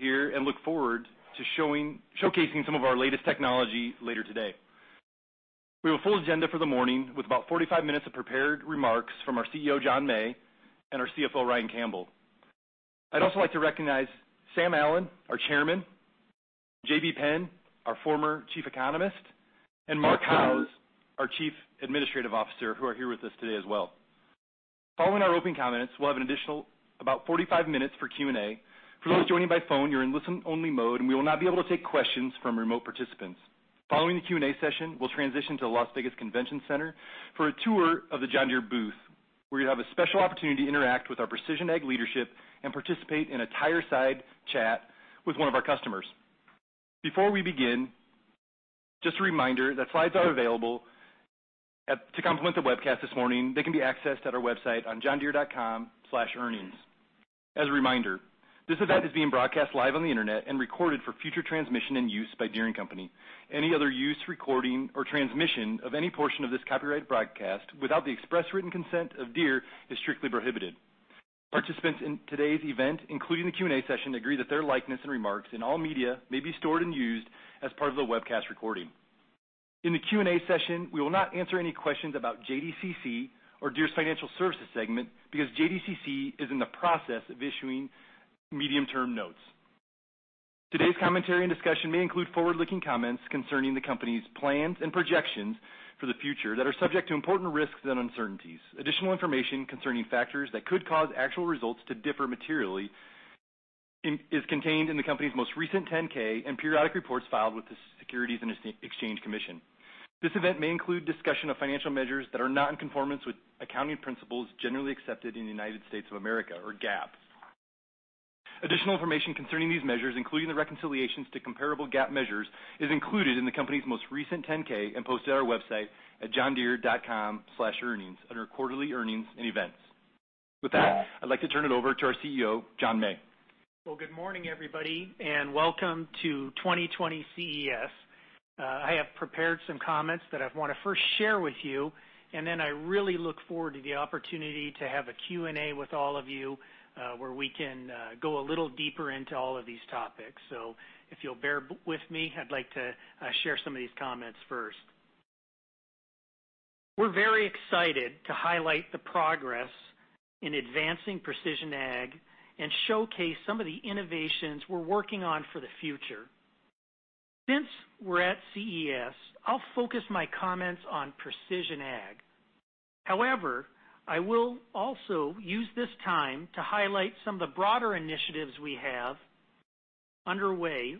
Here and look forward to showcasing some of our latest technology later today. We have a full agenda for the morning, with about 45 minutes of prepared remarks from our CEO, John May, and our CFO, Ryan Campbell. I'd also like to recognize Sam Allen, our Chairman, J.B. Penn, our former Chief Economist, and Markwart von Pentz, our Chief Administrative Officer, who are here with us today as well. Following our opening comments, we'll have an additional about 45 minutes for Q&A. For those joining by phone, you're in listen-only mode, and we will not be able to take questions from remote participants. Following the Q&A session, we'll transition to the Las Vegas Convention Center for a tour of the John Deere booth, where you'll have a special opportunity to interact with our Precision Ag leadership and participate in a fireside chat with one of our customers. Before we begin, just a reminder that slides are available to complement the webcast this morning. They can be accessed at our website on johndeere.com/earnings. As a reminder, this event is being broadcast live on the internet and recorded for future transmission and use by Deere & Company. Any other use, recording, or transmission of any portion of this copyrighted broadcast without the express written consent of Deere is strictly prohibited. Participants in today's event, including the Q&A session, agree that their likeness and remarks in all media may be stored and used as part of the webcast recording. In the Q&A session, we will not answer any questions about JDCC or Deere's financial services segment because JDCC is in the process of issuing medium-term notes. Today's commentary and discussion may include forward-looking comments concerning the company's plans and projections for the future that are subject to important risks and uncertainties. Additional information concerning factors that could cause actual results to differ materially is contained in the company's most recent 10-K and periodic reports filed with the Securities and Exchange Commission. This event may include discussion of financial measures that are not in conformance with accounting principles generally accepted in the United States of America, or GAAP. Additional information concerning these measures, including the reconciliations to comparable GAAP measures, is included in the company's most recent 10-K and posted on our website at johndeere.com/earnings under Quarterly Earnings and Events. With that, I'd like to turn it over to our CEO, John May. Well, good morning, everybody, and welcome to 2020 CES. I have prepared some comments that I want to first share with you, and then I really look forward to the opportunity to have a Q&A with all of you, where we can go a little deeper into all of these topics. If you'll bear with me, I'd like to share some of these comments first. We're very excited to highlight the progress in advancing Precision Ag and showcase some of the innovations we're working on for the future. Since we're at CES, I'll focus my comments on Precision Ag. However, I will also use this time to highlight some of the broader initiatives we have underway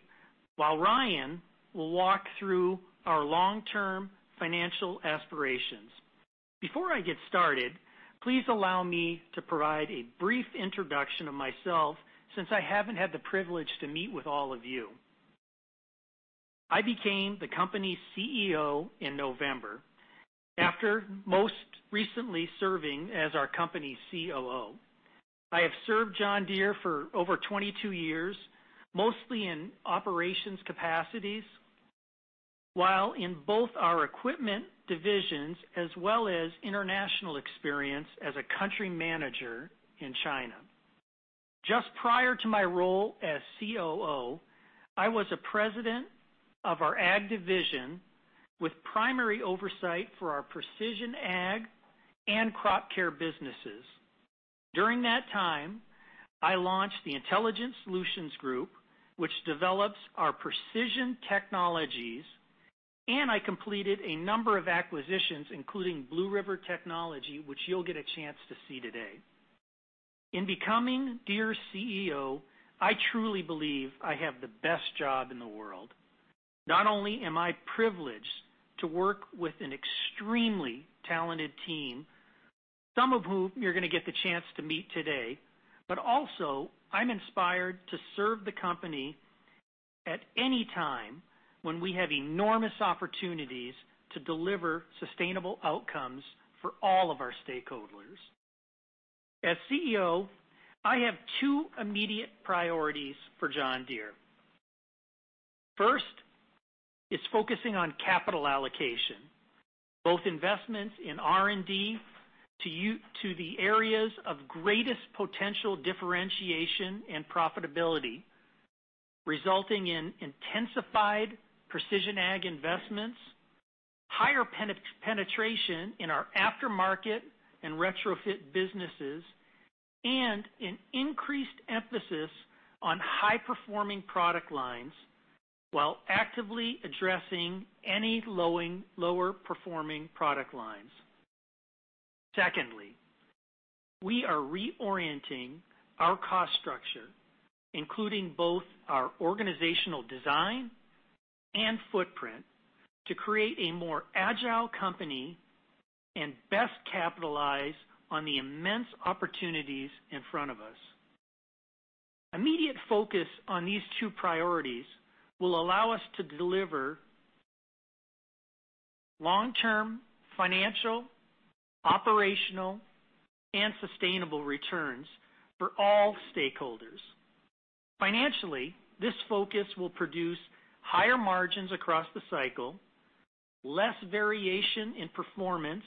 while Ryan will walk through our long-term financial aspirations. Before I get started, please allow me to provide a brief introduction of myself, since I haven't had the privilege to meet with all of you. I became the company's CEO in November, after most recently serving as our company's COO. I have served John Deere for over 22 years, mostly in operations capacities, while in both our equipment divisions as well as international experience as a country manager in China. Just prior to my role as COO, I was the President of our Ag division with primary oversight for our Precision Ag and Crop Care businesses. During that time, I launched the Intelligent Solutions Group, which develops our precision technologies, and I completed a number of acquisitions, including Blue River Technology, which you'll get a chance to see today. In becoming Deere's CEO, I truly believe I have the best job in the world. Not only am I privileged to work with an extremely talented team, some of whom you're going to get the chance to meet today, but also I'm inspired to serve the company at any time when we have enormous opportunities to deliver sustainable outcomes for all of our stakeholders. As CEO, I have two immediate priorities for John Deere. First is focusing on capital allocation, both investments in R&D to the areas of greatest potential differentiation and profitability, resulting in intensified Precision Ag investments, higher penetration in our aftermarket and retrofit businesses, and an increased emphasis on high-performing product lines while actively addressing any lower-performing product lines. Secondly, we are reorienting our cost structure, including both our organizational design and footprint, to create a more agile company and best capitalize on the immense opportunities in front of us. Immediate focus on these two priorities will allow us to deliver long-term financial, operational, and sustainable returns for all stakeholders. Financially, this focus will produce higher margins across the cycle, less variation in performance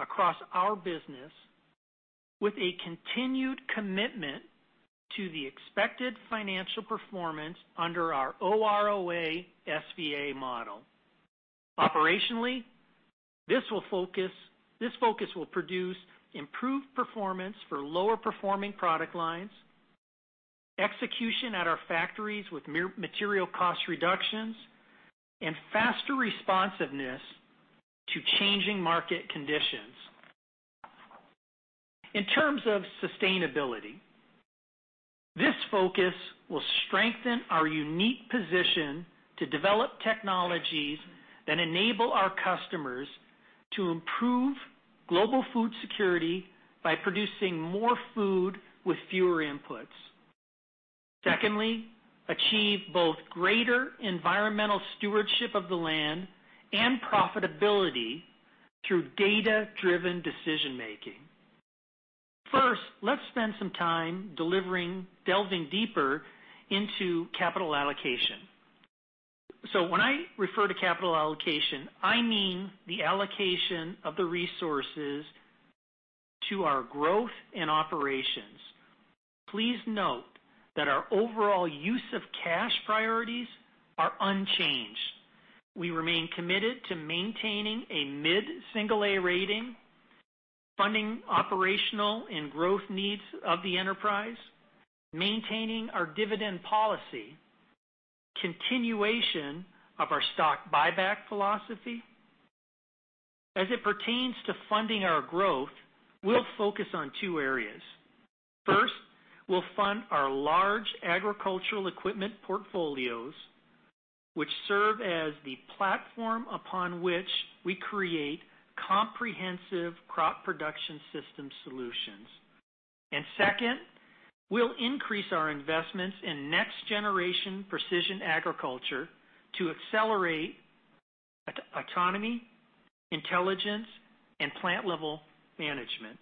across our business, with a continued commitment to the expected financial performance under our OROA SVA model. Operationally, this focus will produce improved performance for lower-performing product lines, execution at our factories with material cost reductions, and faster responsiveness to changing market conditions. In terms of sustainability, this focus will strengthen our unique position to develop technologies that enable our customers to improve global food security by producing more food with fewer inputs. Secondly, achieve both greater environmental stewardship of the land and profitability through data-driven decision-making. First, let's spend some time delving deeper into capital allocation. When I refer to capital allocation, I mean the allocation of the resources to our growth and operations. Please note that our overall use of cash priorities are unchanged. We remain committed to maintaining a mid-single A rating, funding operational and growth needs of the enterprise, maintaining our dividend policy, continuation of our stock buyback philosophy. As it pertains to funding our growth, we'll focus on two areas. First, we'll fund our large agricultural equipment portfolios, which serve as the platform upon which we create comprehensive crop production system solutions. Second, we'll increase our investments in next-generation precision agriculture to accelerate autonomy, intelligence, and plant-level management.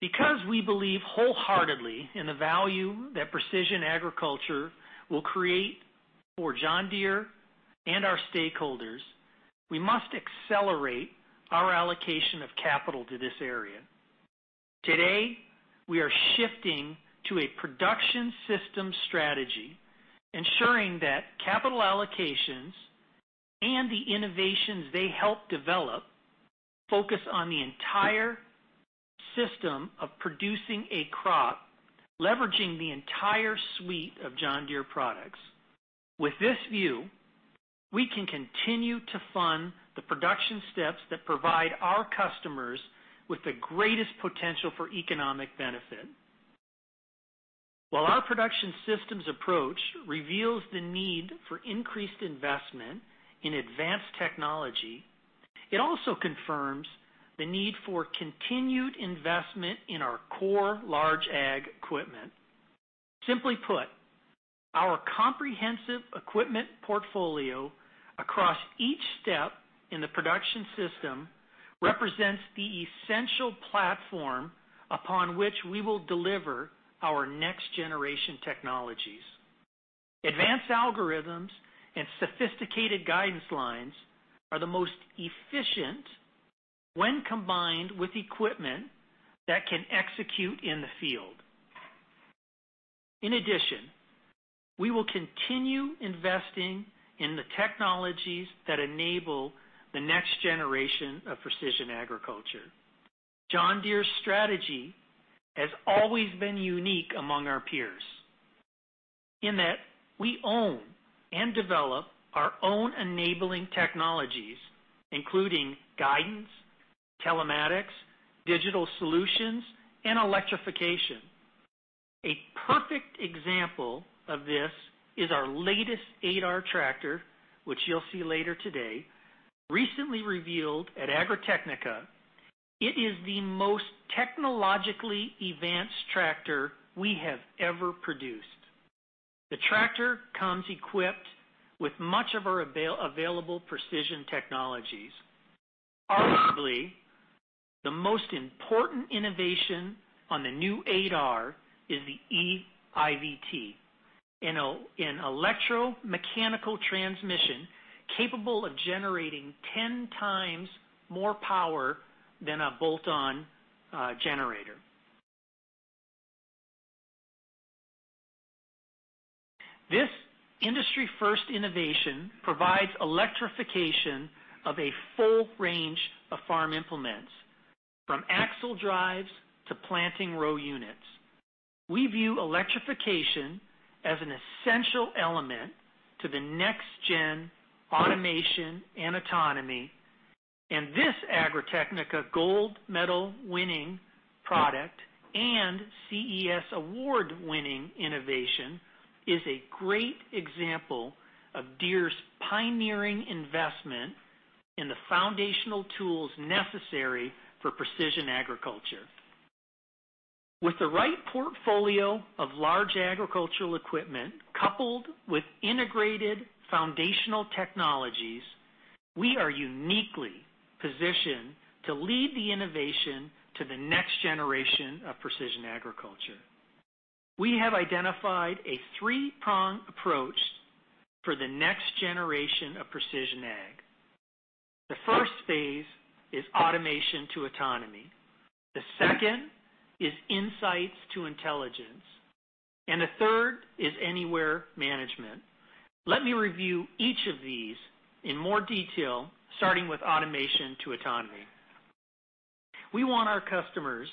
Because we believe wholeheartedly in the value that precision agriculture will create for John Deere and our stakeholders, we must accelerate our allocation of capital to this area. Today, we are shifting to a production system strategy, ensuring that capital allocations and the innovations they help develop focus on the entire system of producing a crop, leveraging the entire suite of John Deere products. With this view, we can continue to fund the production steps that provide our customers with the greatest potential for economic benefit. While our production systems approach reveals the need for increased investment in advanced technology, it also confirms the need for continued investment in our core Large Ag equipment. Simply put, our comprehensive equipment portfolio across each step in the production system represents the essential platform upon which we will deliver our next-generation technologies. Advanced algorithms and sophisticated guidance lines are the most efficient when combined with equipment that can execute in the field. In addition, we will continue investing in the technologies that enable the next generation of precision agriculture. John Deere's strategy has always been unique among our peers in that we own and develop our own enabling technologies, including guidance, telematics, digital solutions, and electrification. A perfect example of this is our latest 8R tractor, which you'll see later today. Recently revealed at Agritechnica, it is the most technologically advanced tractor we have ever produced. The tractor comes equipped with much of our available precision technologies. Arguably, the most important innovation on the new 8R is the eIVT, an electromechanical transmission capable of generating 10x more power than a bolt-on generator. This industry-first innovation provides electrification of a full range of farm implements, from axle drives to planting row units. We view electrification as an essential element to the next-gen automation and autonomy. This Agritechnica gold medal-winning product and CES award-winning innovation is a great example of Deere's pioneering investment in the foundational tools necessary for precision agriculture. With the right portfolio of large agricultural equipment, coupled with integrated foundational technologies, we are uniquely positioned to lead the innovation to the next generation of precision agriculture. We have identified a three-pronged approach for the next generation of Precision Ag. The first phase is automation to autonomy. The second is insights to intelligence. The third is anywhere management. Let me review each of these in more detail, starting with automation to autonomy. We want our customers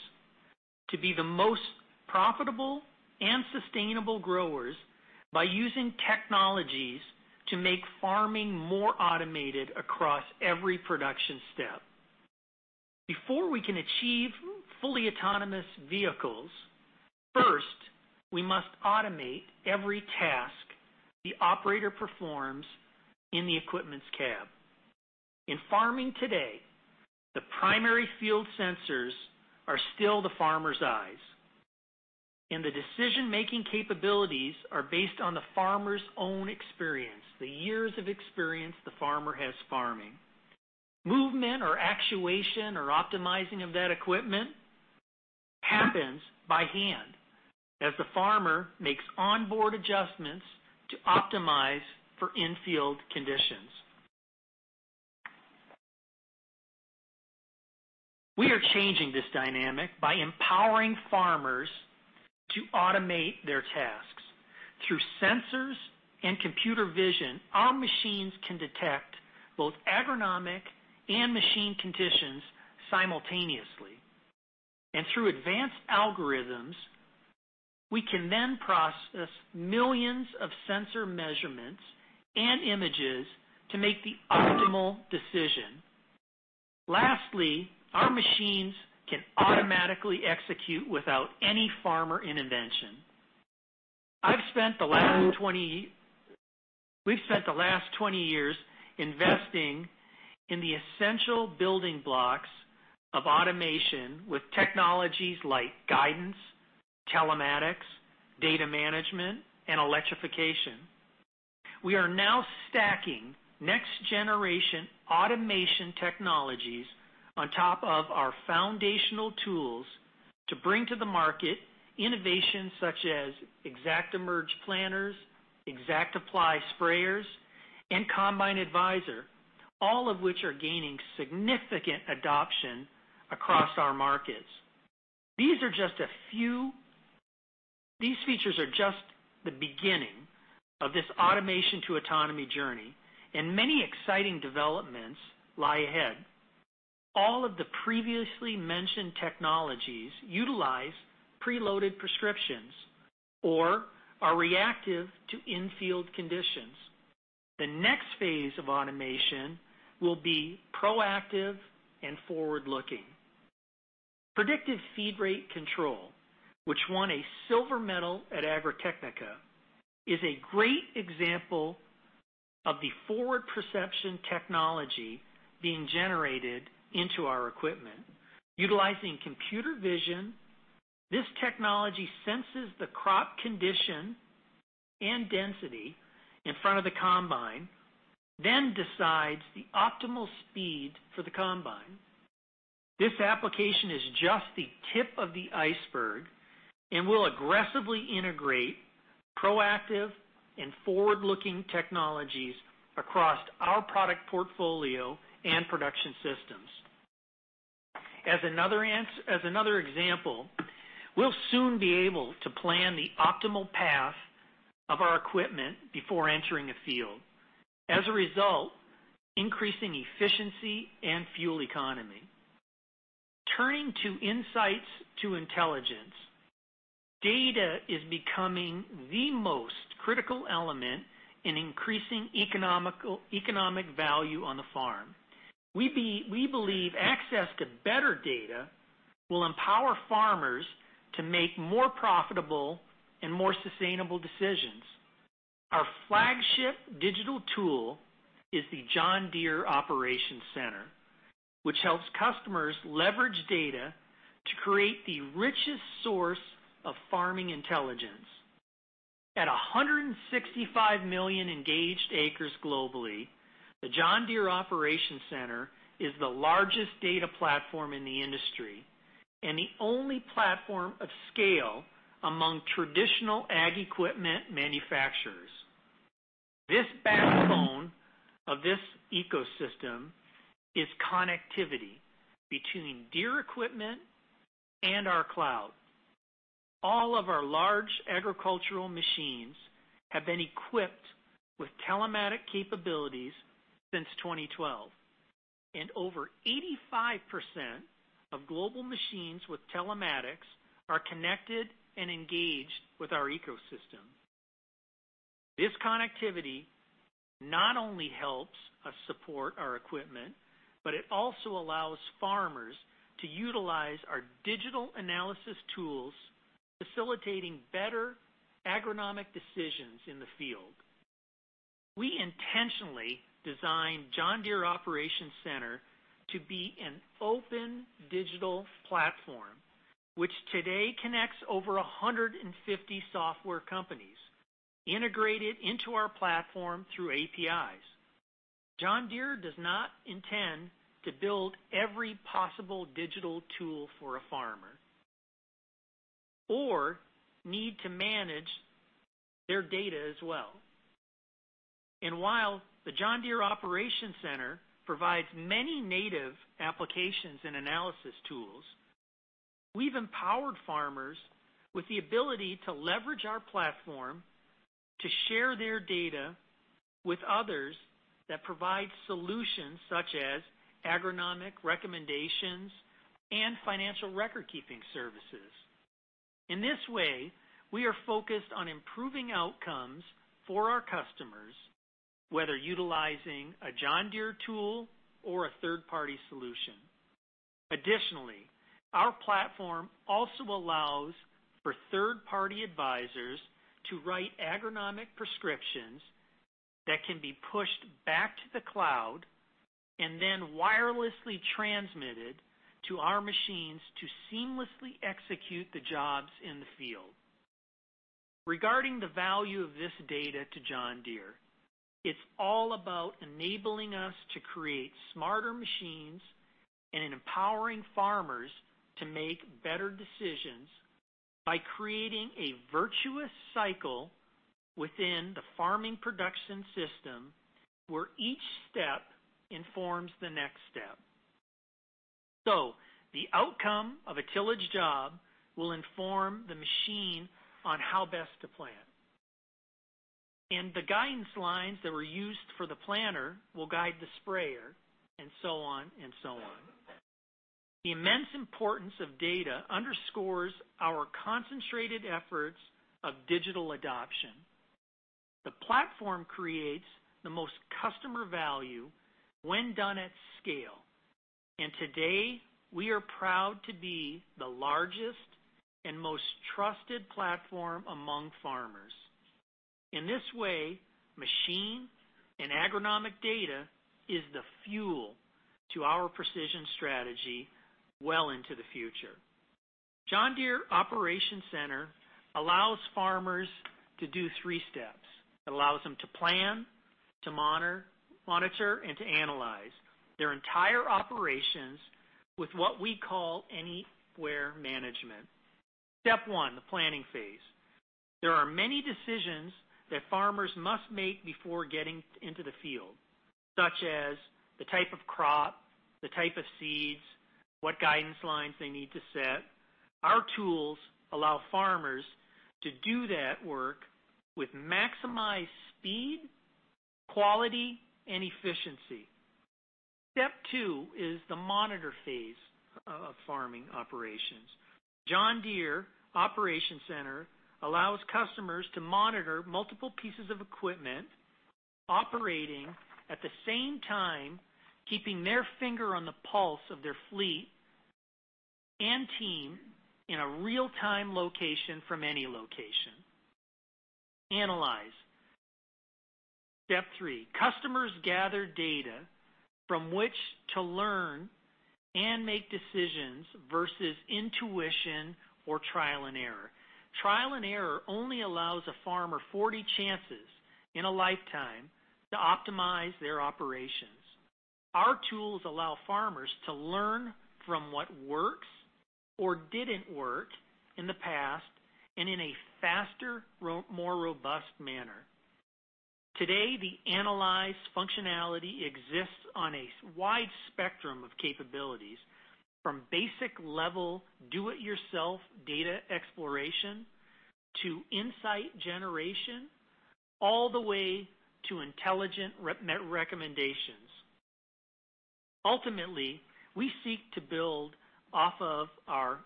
to be the most profitable and sustainable growers by using technologies to make farming more automated across every production step. Before we can achieve fully autonomous vehicles, first, we must automate every task the operator performs in the equipment's cab. In farming today, the primary field sensors are still the farmer's eyes, and the decision-making capabilities are based on the farmer's own experience, the years of experience the farmer has farming. Movement or actuation or optimizing of that equipment happens by hand as the farmer makes onboard adjustments to optimize for in-field conditions. We are changing this dynamic by empowering farmers to automate their tasks. Through sensors and computer vision, our machines can detect both agronomic and machine conditions simultaneously. Through advanced algorithms, we can then process millions of sensor measurements and images to make the optimal decision. Lastly, our machines can automatically execute without any farmer intervention. We've spent the last 20 years investing in the essential building blocks of automation with technologies like guidance, telematics, data management, and electrification. We are now stacking next-generation automation technologies on top of our foundational tools to bring to the market innovations such as ExactEmerge planters, ExactApply sprayers, and Combine Advisor, all of which are gaining significant adoption across our markets. These features are just the beginning of this automation-to-autonomy journey, many exciting developments lie ahead. All of the previously mentioned technologies utilize preloaded prescriptions or are reactive to in-field conditions. The next phase of automation will be proactive and forward-looking. Predictive feed rate control, which won a silver medal at Agritechnica, is a great example of the forward perception technology being generated into our equipment. Utilizing computer vision, this technology senses the crop condition and density in front of the combine, then decides the optimal speed for the combine. This application is just the tip of the iceberg and will aggressively integrate proactive and forward-looking technologies across our product portfolio and production systems. As another example, we'll soon be able to plan the optimal path of our equipment before entering a field. As a result, increasing efficiency and fuel economy. Turning to insights to intelligence, data is becoming the most critical element in increasing economic value on the farm. We believe access to better data will empower farmers to make more profitable and more sustainable decisions. Our flagship digital tool is the John Deere Operations Center, which helps customers leverage data to create the richest source of farming intelligence. At 165 million engaged acres globally, the John Deere Operations Center is the largest data platform in the industry and the only platform of scale among traditional ag equipment manufacturers. This backbone of this ecosystem is connectivity between Deere equipment and our cloud. All of our large agricultural machines have been equipped with telematic capabilities since 2012, and over 85% of global machines with telematics are connected and engaged with our ecosystem. This connectivity not only helps us support our equipment, but it also allows farmers to utilize our digital analysis tools, facilitating better agronomic decisions in the field. We intentionally designed John Deere Operations Center to be an open digital platform. Today connects over 150 software companies integrated into our platform through APIs. John Deere does not intend to build every possible digital tool for a farmer or need to manage their data as well. While the John Deere Operations Center provides many native applications and analysis tools, we've empowered farmers with the ability to leverage our platform to share their data with others that provide solutions such as agronomic recommendations and financial record-keeping services. In this way, we are focused on improving outcomes for our customers, whether utilizing a John Deere tool or a third-party solution. Additionally, our platform also allows for third-party advisors to write agronomic prescriptions that can be pushed back to the cloud and then wirelessly transmitted to our machines to seamlessly execute the jobs in the field. Regarding the value of this data to John Deere, it's all about enabling us to create smarter machines and empowering farmers to make better decisions by creating a virtuous cycle within the farming production system, where each step informs the next step. The outcome of a tillage job will inform the machine on how best to plant. The guidance lines that were used for the planter will guide the sprayer, and so on. The immense importance of data underscores our concentrated efforts of digital adoption. The platform creates the most customer value when done at scale. Today, we are proud to be the largest and most trusted platform among farmers. In this way, machine and agronomic data is the fuel to our precision strategy well into the future. John Deere Operations Center allows farmers to do three steps. It allows them to plan, to monitor, and to analyze their entire operations with what we call anywhere management. Step one, the planning phase. There are many decisions that farmers must make before getting into the field, such as the type of crop, the type of seeds, what guidance lines they need to set. Our tools allow farmers to do that work with maximized speed, quality, and efficiency. Step two is the monitor phase of farming operations. John Deere Operations Center allows customers to monitor multiple pieces of equipment operating at the same time, keeping their finger on the pulse of their fleet and team in a real-time location from any location. Analyze. Step three. Customers gather data from which to learn and make decisions versus intuition or trial and error. Trial and error only allows a farmer 40 chances in a lifetime to optimize their operations. Our tools allow farmers to learn from what works or didn't work in the past and in a faster, more robust manner. Today, the analyze functionality exists on a wide spectrum of capabilities, from basic-level do-it-yourself data exploration to insight generation, all the way to intelligent recommendations. Ultimately, we seek to build off of our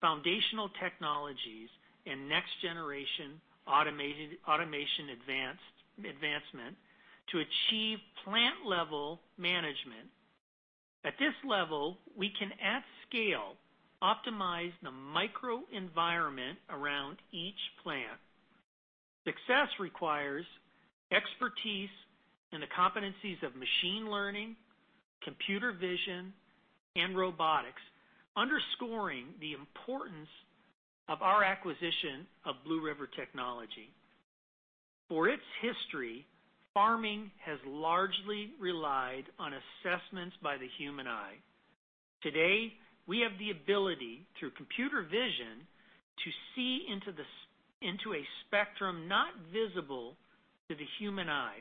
foundational technologies and next-generation automation advancement to achieve plant-level management. At this level, we can, at scale, optimize the microenvironment around each plant. Success requires expertise in the competencies of machine learning, computer vision, and robotics, underscoring the importance of our acquisition of Blue River Technology. For its history, farming has largely relied on assessments by the human eye. Today, we have the ability, through computer vision, to see into a spectrum not visible to the human eye.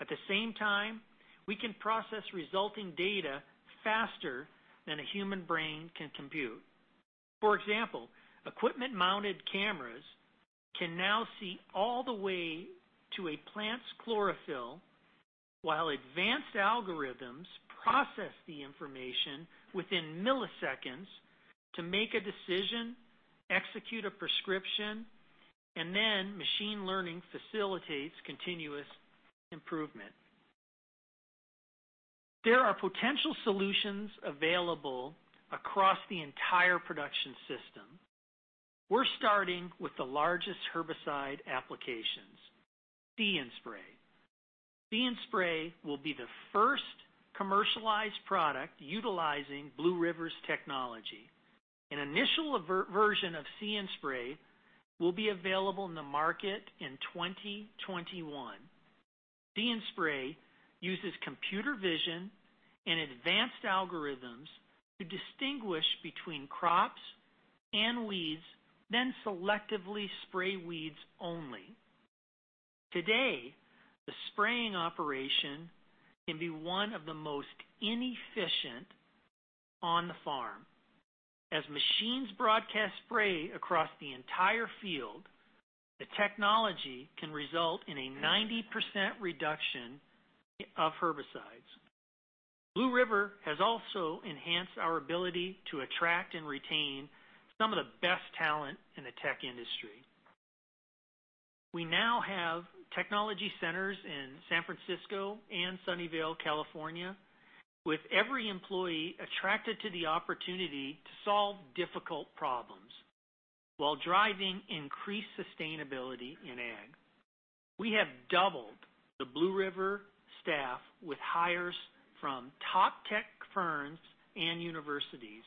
At the same time, we can process resulting data faster than a human brain can compute. For example, equipment-mounted cameras can now see all the way to a plant's chlorophyll while advanced algorithms process the information within milliseconds to make a decision, execute a prescription, and then machine learning facilitates continuous improvement. There are potential solutions available across the entire production system. We're starting with the largest herbicide applications, See & Spray. See & Spray will be the first commercialized product utilizing Blue River's technology. An initial version of See & Spray will be available in the market in 2021. See & Spray uses computer vision and advanced algorithms to distinguish between crops and weeds, then selectively spray weeds only. Today, the spraying operation can be one of the most inefficient on the farm. As machines broadcast spray across the entire field, the technology can result in a 90% reduction of herbicides. Blue River has also enhanced our ability to attract and retain some of the best talent in the tech industry. We now have technology centers in San Francisco and Sunnyvale, California, with every employee attracted to the opportunity to solve difficult problems while driving increased sustainability in ag. We have doubled the Blue River staff with hires from top tech firms and universities.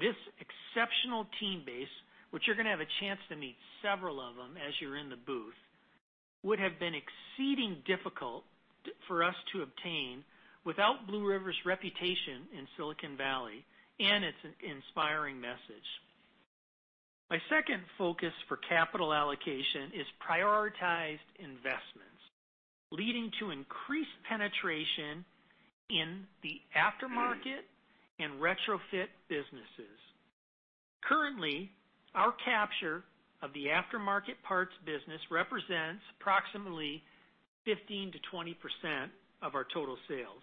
This exceptional team base, which you're going to have a chance to meet several of them as you're in the booth, would have been exceeding difficult for us to obtain without Blue River's reputation in Silicon Valley and its inspiring message. My second focus for capital allocation is prioritized investments, leading to increased penetration in the aftermarket and retrofit businesses. Currently, our capture of the aftermarket parts business represents approximately 15%-20% of our total sales.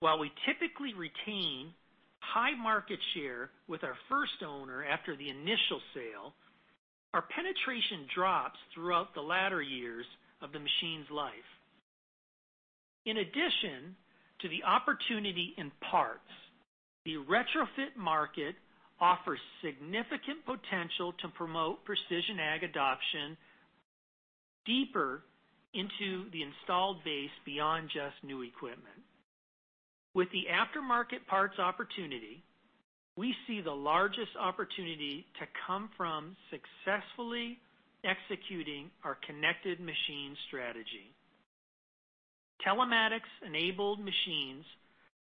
While we typically retain high market share with our first owner after the initial sale, our penetration drops throughout the latter years of the machine's life. In addition to the opportunity in parts, the retrofit market offers significant potential to promote Precision Ag adoption deeper into the installed base beyond just new equipment. With the aftermarket parts opportunity, we see the largest opportunity to come from successfully executing our connected machine strategy. Telematics-enabled machines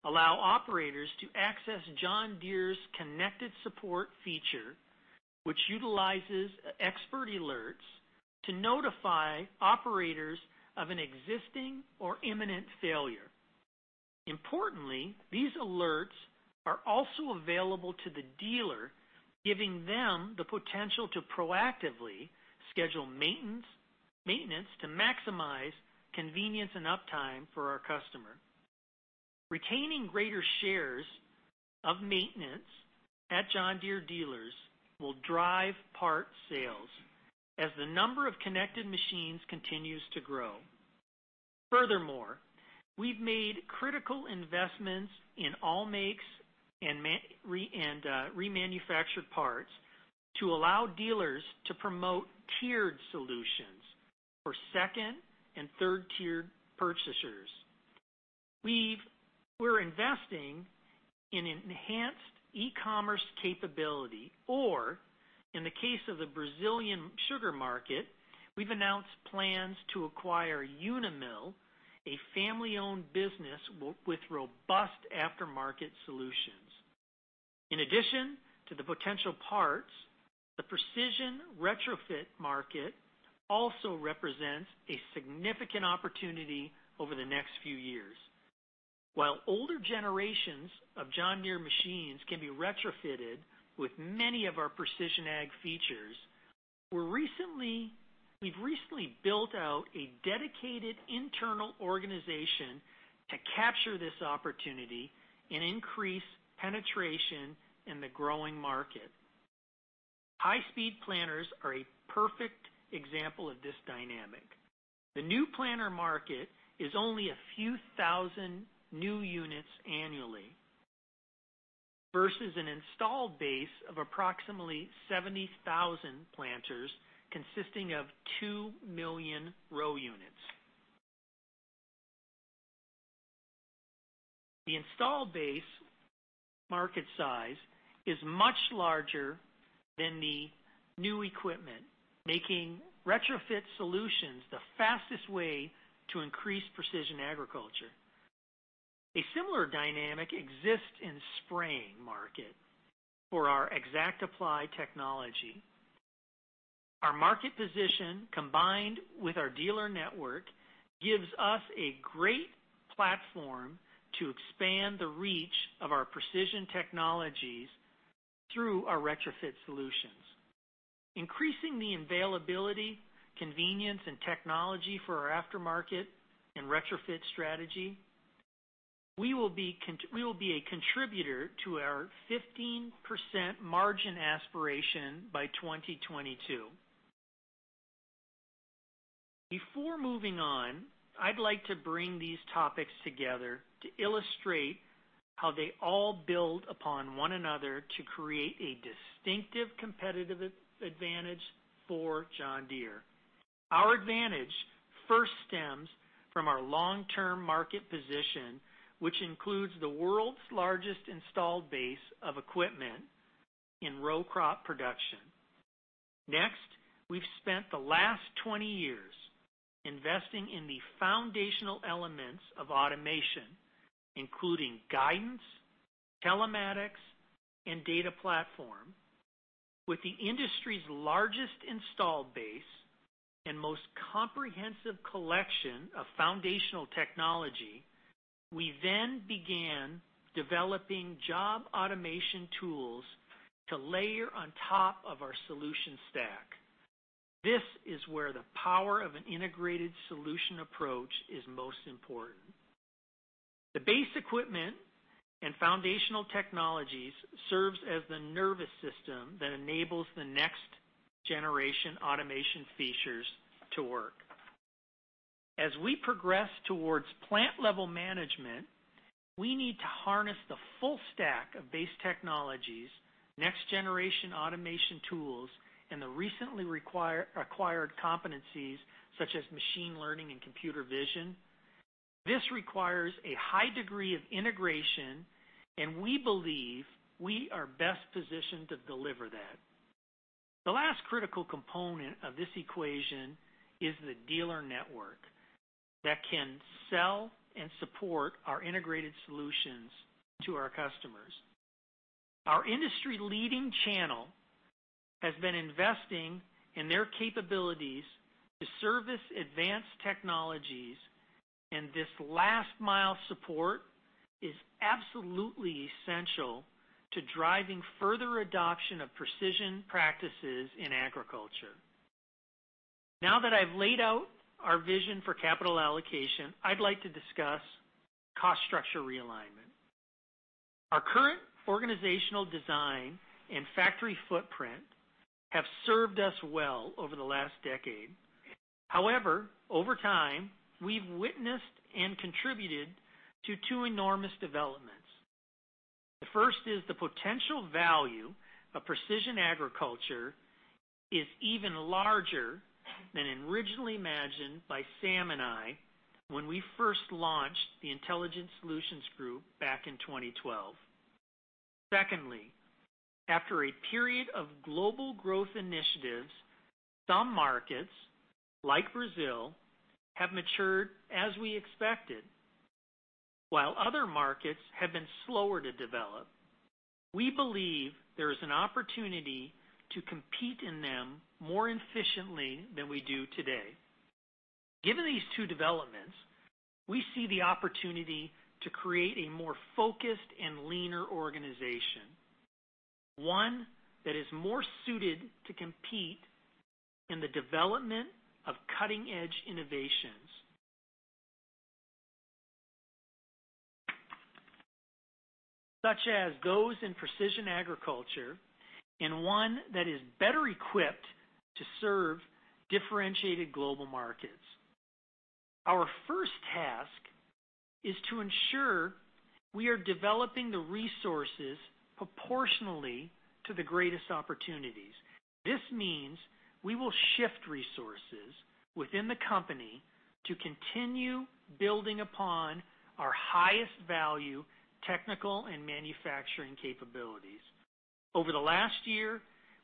allow operators to access John Deere's Connected Support feature, which utilizes expert alerts to notify operators of an existing or imminent failure. Importantly, these alerts are also available to the dealer, giving them the potential to proactively schedule maintenance to maximize convenience and uptime for our customer. Retaining greater shares of maintenance at John Deere dealers will drive parts sales as the number of connected machines continues to grow. Furthermore, we've made critical investments in all makes and remanufactured parts to allow dealers to promote tiered solutions for second and third-tier purchasers. We're investing in enhanced e-commerce capability, or in the case of the Brazilian sugar market, we've announced plans to acquire Unimil, a family-owned business with robust aftermarket solutions. In addition to the potential parts, the precision retrofit market also represents a significant opportunity over the next few years. While older generations of John Deere machines can be retrofitted with many of our Precision Ag features, we've recently built out a dedicated internal organization to capture this opportunity and increase penetration in the growing market. High-speed planters are a perfect example of this dynamic. The new planter market is only a few thousand new units annually versus an installed base of approximately 70,000 planters consisting of 2 million row units. The installed base market size is much larger than the new equipment, making retrofit solutions the fastest way to increase precision agriculture. A similar dynamic exists in the spraying market for our ExactApply technology. Our market position, combined with our dealer network, gives us a great platform to expand the reach of our precision technologies through our retrofit solutions. Increasing the availability, convenience, and technology for our aftermarket and retrofit strategy, we will be a contributor to our 15% margin aspiration by 2022. Before moving on, I'd like to bring these topics together to illustrate how they all build upon one another to create a distinctive competitive advantage for John Deere. Our advantage first stems from our long-term market position, which includes the world's largest installed base of equipment in row crop production. Next, we've spent the last 20 years investing in the foundational elements of automation, including guidance, telematics, and data platform. With the industry's largest installed base and most comprehensive collection of foundational technology, we then began developing job automation tools to layer on top of our solution stack. This is where the power of an integrated solution approach is most important. The base equipment and foundational technologies serve as the nervous system that enables the next generation automation features to work. As we progress towards plant-level management, we need to harness the full stack of base technologies, next-generation automation tools, and the recently acquired competencies such as machine learning and computer vision. This requires a high degree of integration, and we believe we are best positioned to deliver that. The last critical component of this equation is the dealer network that can sell and support our integrated solutions to our customers. Our industry-leading channel has been investing in their capabilities to service advanced technologies, and this last-mile support is absolutely essential to driving further adoption of precision practices in agriculture. Now that I've laid out our vision for capital allocation, I'd like to discuss cost structure realignment. Our current organizational design and factory footprint have served us well over the last decade. However, over time, we've witnessed and contributed to two enormous developments. The first is the potential value of precision agriculture is even larger than originally imagined by Sam and I when we first launched the Intelligent Solutions Group back in 2012. Secondly, after a period of global growth initiatives, some markets, like Brazil, have matured as we expected. While other markets have been slower to develop. We believe there is an opportunity to compete in them more efficiently than we do today. Given these two developments, we see the opportunity to create a more focused and leaner organization, one that is more suited to compete in the development of cutting-edge innovations, such as those in Precision Ag, and one that is better equipped to serve differentiated global markets. Our first task is to ensure we are developing the resources proportionally to the greatest opportunities. This means we will shift resources within the company to continue building upon our highest value technical and manufacturing capabilities. Over the last year,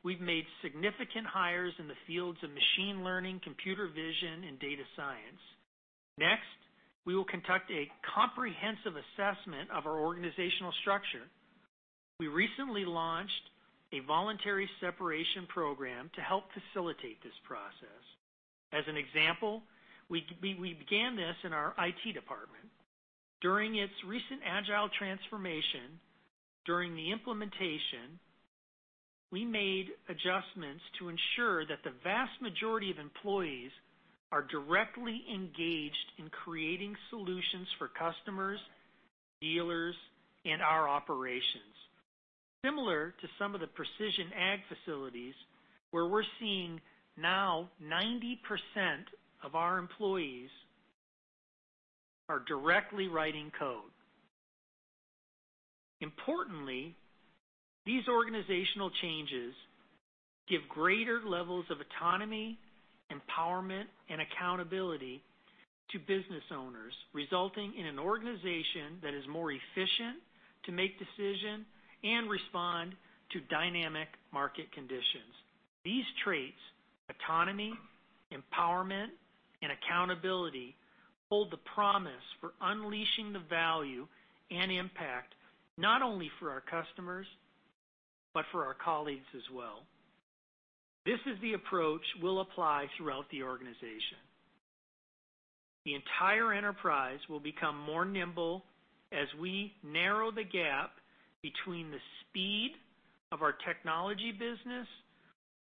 we've made significant hires in the fields of machine learning, computer vision, and data science. Next, we will conduct a comprehensive assessment of our organizational structure. We recently launched a voluntary separation program to help facilitate this process. As an example, we began this in our IT department. During its recent agile transformation, during the implementation, we made adjustments to ensure that the vast majority of employees are directly engaged in creating solutions for customers, dealers, and our operations. Similar to some of the Precision Ag facilities, where we're seeing now 90% of our employees are directly writing code. Importantly, these organizational changes give greater levels of autonomy, empowerment, and accountability to business owners, resulting in an organization that is more efficient to make decision and respond to dynamic market conditions. These traits, autonomy, empowerment, and accountability, hold the promise for unleashing the value and impact, not only for our customers, but for our colleagues as well. This is the approach we'll apply throughout the organization. The entire enterprise will become more nimble as we narrow the gap between the speed of our technology business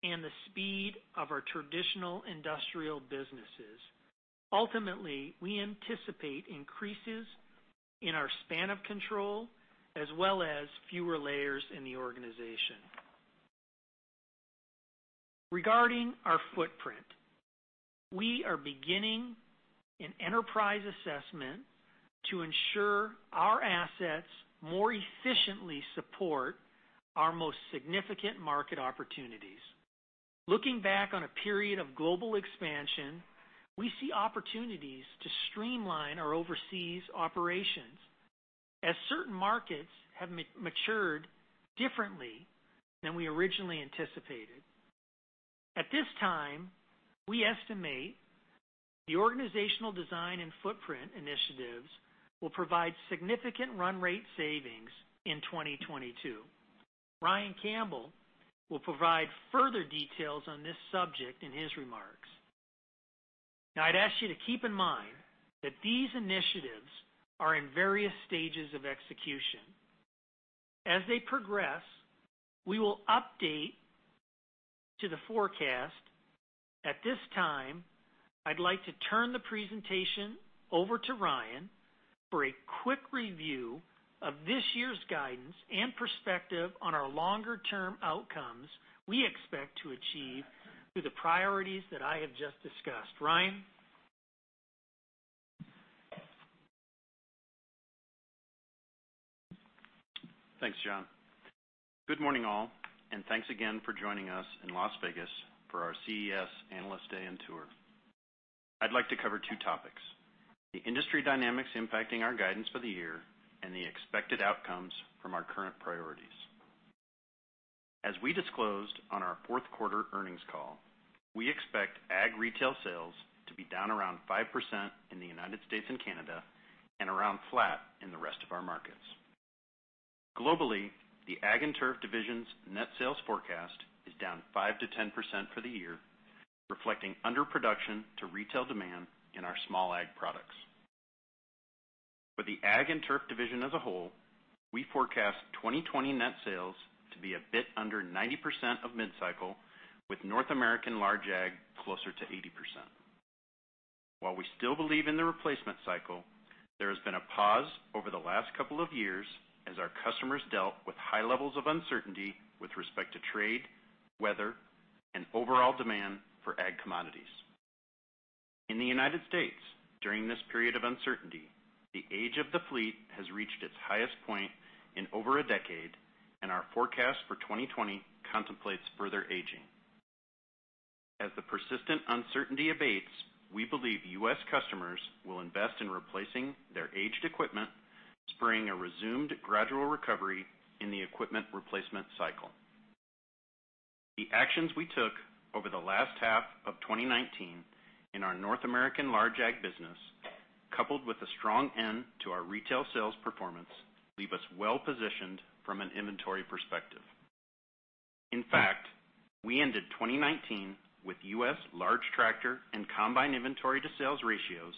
and the speed of our traditional industrial businesses. Ultimately, we anticipate increases in our span of control, as well as fewer layers in the organization. Regarding our footprint, we are beginning an enterprise assessment to ensure our assets more efficiently support our most significant market opportunities. Looking back on a period of global expansion, we see opportunities to streamline our overseas operations, as certain markets have matured differently than we originally anticipated. At this time, we estimate the organizational design and footprint initiatives will provide significant run rate savings in 2022. Ryan Campbell will provide further details on this subject in his remarks. I'd ask you to keep in mind that these initiatives are in various stages of execution. As they progress, we will update to the forecast. At this time, I'd like to turn the presentation over to Ryan for a quick review of this year's guidance and perspective on our longer-term outcomes we expect to achieve through the priorities that I have just discussed. Ryan? Thanks, John. Good morning, all, and thanks again for joining us in Las Vegas for our CES Analyst Day and Tour. I'd like to cover two topics, the industry dynamics impacting our guidance for the year, and the expected outcomes from our current priorities. As we disclosed on our fourth quarter earnings call, we expect Ag retail sales to be down around 5% in the U.S. and Canada, and around flat in the rest of our markets. Globally, the Ag and Turf division's net sales forecast is down 5%-10% for the year, reflecting underproduction to retail demand in our Small Ag products. For the Ag and Turf division as a whole, we forecast 2020 net sales to be a bit under 90% of mid-cycle, with North American Large Ag closer to 80%. While we still believe in the replacement cycle, there has been a pause over the last couple of years as our customers dealt with high levels of uncertainty with respect to trade, weather, and overall demand for ag commodities. In the U.S., during this period of uncertainty, the age of the fleet has reached its highest point in over a decade, and our forecast for 2020 contemplates further aging. As the persistent uncertainty abates, we believe U.S. customers will invest in replacing their aged equipment, spurring a resumed gradual recovery in the equipment replacement cycle. The actions we took over the last half of 2019 in our North American Large Ag business, coupled with a strong end to our retail sales performance, leave us well-positioned from an inventory perspective. In fact, we ended 2019 with U.S. large tractor and combine inventory to sales ratios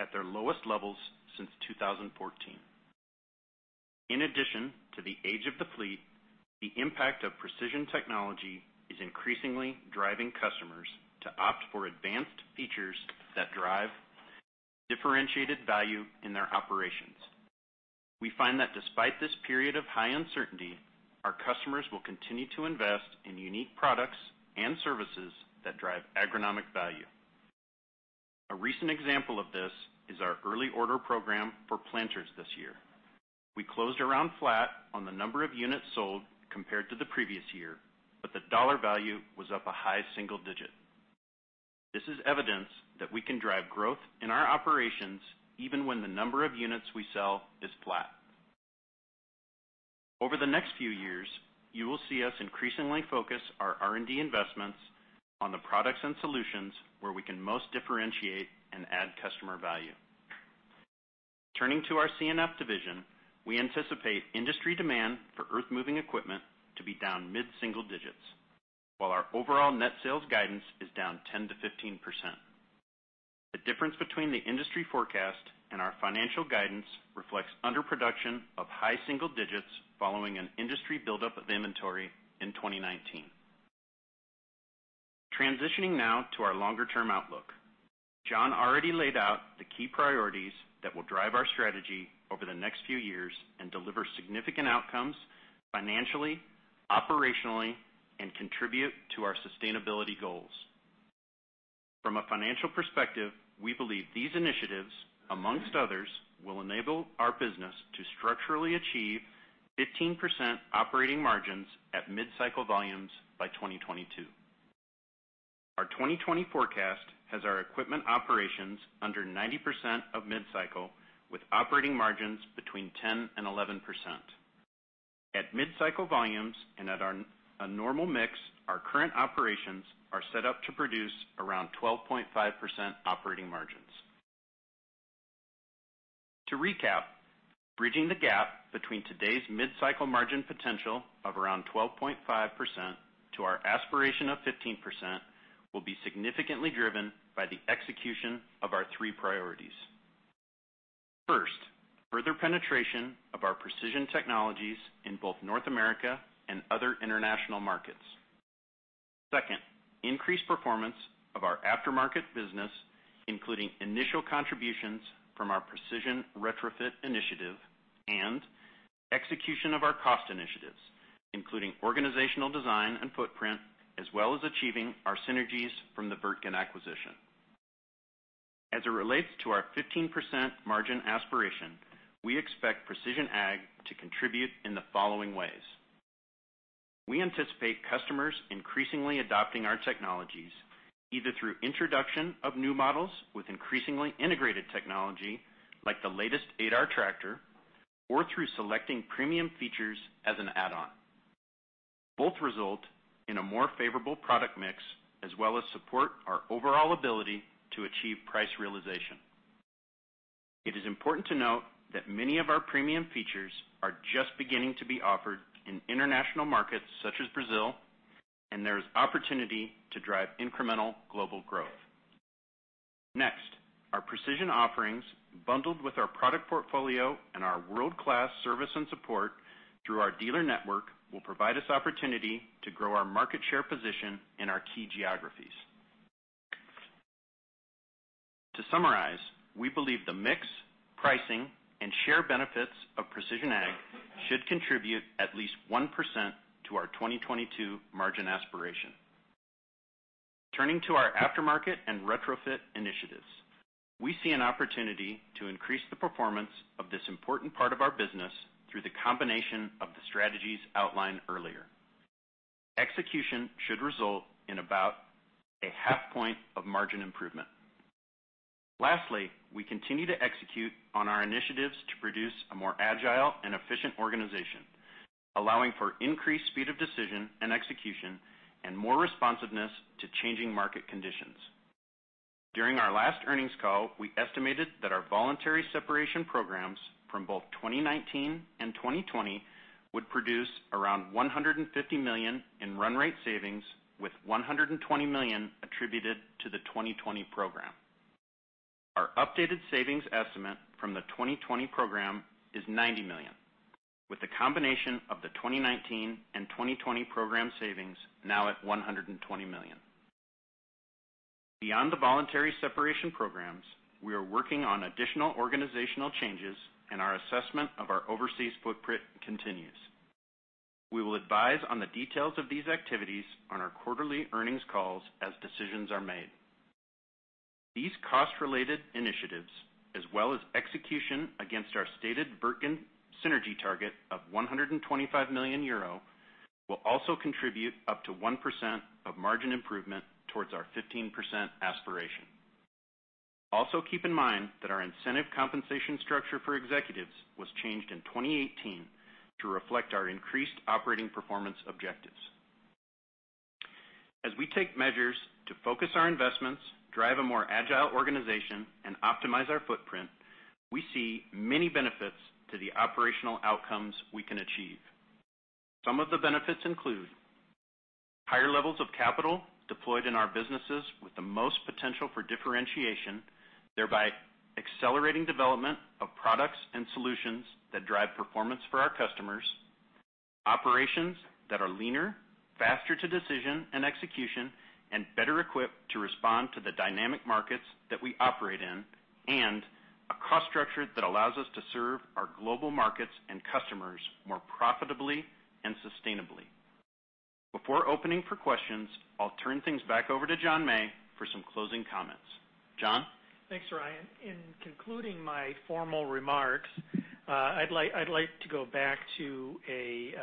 at their lowest levels since 2014. In addition to the age of the fleet, the impact of precision technology is increasingly driving customers to opt for advanced features that drive differentiated value in their operations. We find that despite this period of high uncertainty, our customers will continue to invest in unique products and services that drive agronomic value. A recent example of this is our early order program for planters this year. We closed around flat on the number of units sold compared to the previous year, but the dollar value was up a high single digit. This is evidence that we can drive growth in our operations even when the number of units we sell is flat. Over the next few years, you will see us increasingly focus our R&D investments on the products and solutions where we can most differentiate and add customer value. Turning to our C&F division, we anticipate industry demand for earth-moving equipment to be down mid-single digits, while our overall net sales guidance is down 10%-15%. The difference between the industry forecast and our financial guidance reflects underproduction of high single digits following an industry buildup of inventory in 2019. Transitioning now to our longer-term outlook. John already laid out the key priorities that will drive our strategy over the next few years and deliver significant outcomes financially, operationally, and contribute to our sustainability goals. From a financial perspective, we believe these initiatives, amongst others, will enable our business to structurally achieve 15% operating margins at mid-cycle volumes by 2022. Our 2020 forecast has our equipment operations under 90% of mid-cycle, with operating margins between 10% and 11%. At mid-cycle volumes and at a normal mix, our current operations are set up to produce around 12.5% operating margins. To recap, bridging the gap between today's mid-cycle margin potential of around 12.5% to our aspiration of 15% will be significantly driven by the execution of our three priorities. First, further penetration of our precision technologies in both North America and other international markets. Second, increased performance of our aftermarket business, including initial contributions from our precision retrofit initiative and execution of our cost initiatives, including organizational design and footprint, as well as achieving our synergies from the Wirtgen acquisition. As it relates to our 15% margin aspiration, we expect precision ag to contribute in the following ways. We anticipate customers increasingly adopting our technologies, either through introduction of new models with increasingly integrated technology, like the latest 8R tractor, or through selecting premium features as an add-on. Both result in a more favorable product mix, as well as support our overall ability to achieve price realization. It is important to note that many of our premium features are just beginning to be offered in international markets such as Brazil, and there is opportunity to drive incremental global growth. Next, our precision offerings bundled with our product portfolio and our world-class service and support through our dealer network will provide us opportunity to grow our market share position in our key geographies. To summarize, we believe the mix, pricing, and share benefits of Precision Ag should contribute at least 1% to our 2022 margin aspiration. Turning to our aftermarket and retrofit initiatives, we see an opportunity to increase the performance of this important part of our business through the combination of the strategies outlined earlier. Execution should result in about a half point of margin improvement. Lastly, we continue to execute on our initiatives to produce a more agile and efficient organization, allowing for increased speed of decision and execution and more responsiveness to changing market conditions. During our last earnings call, we estimated that our voluntary separation programs from both 2019 and 2020 would produce around $150 million in run rate savings, with $120 million attributed to the 2020 program. Our updated savings estimate from the 2020 program is $90 million, with the combination of the 2019 and 2020 program savings now at $120 million. Beyond the voluntary separation programs, we are working on additional organizational changes, and our assessment of our overseas footprint continues. We will advise on the details of these activities on our quarterly earnings calls as decisions are made. These cost-related initiatives, as well as execution against our stated Wirtgen synergy target of 125 million euro, will also contribute up to 1% of margin improvement towards our 15% aspiration. Also, keep in mind that our incentive compensation structure for executives was changed in 2018 to reflect our increased operating performance objectives. As we take measures to focus our investments, drive a more agile organization and optimize our footprint, we see many benefits to the operational outcomes we can achieve. Some of the benefits include higher levels of capital deployed in our businesses with the most potential for differentiation, thereby accelerating development of products and solutions that drive performance for our customers. Operations that are leaner, faster to decision and execution, and better equipped to respond to the dynamic markets that we operate in, and a cost structure that allows us to serve our global markets and customers more profitably and sustainably. Before opening for questions, I'll turn things back over to John May for some closing comments. John? Thanks, Ryan. In concluding my formal remarks, I'd like to go back to a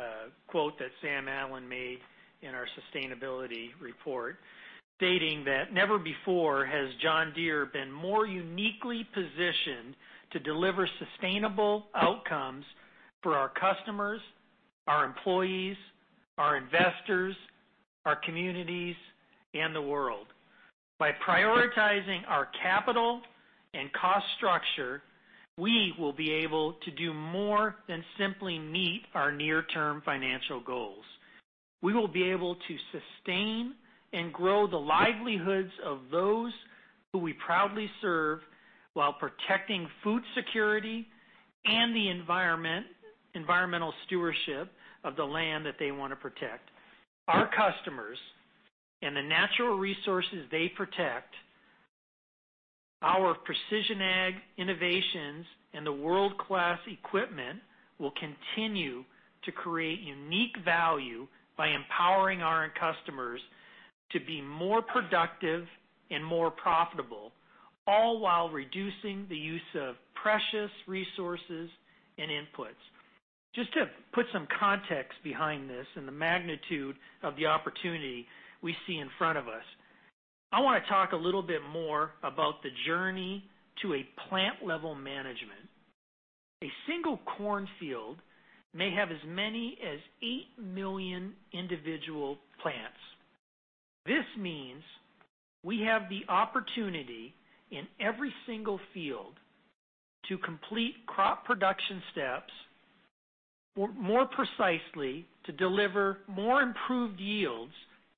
quote that Sam Allen made in our sustainability report, stating that never before has John Deere been more uniquely positioned to deliver sustainable outcomes for our customers, our employees, our investors, our communities, and the world. By prioritizing our capital and cost structure, we will be able to do more than simply meet our near-term financial goals. We will be able to sustain and grow the livelihoods of those who we proudly serve while protecting food security and the environmental stewardship of the land that they want to protect. Our customers and the natural resources they protect, our Precision Ag innovations and the world-class equipment will continue to create unique value by empowering our customers to be more productive and more profitable, all while reducing the use of precious resources and inputs. Just to put some context behind this and the magnitude of the opportunity we see in front of us, I want to talk a little bit more about the journey to a plant-level management. A single corn field may have as many as 8 million individual plants. This means we have the opportunity in every single field to complete crop production steps more precisely to deliver more improved yields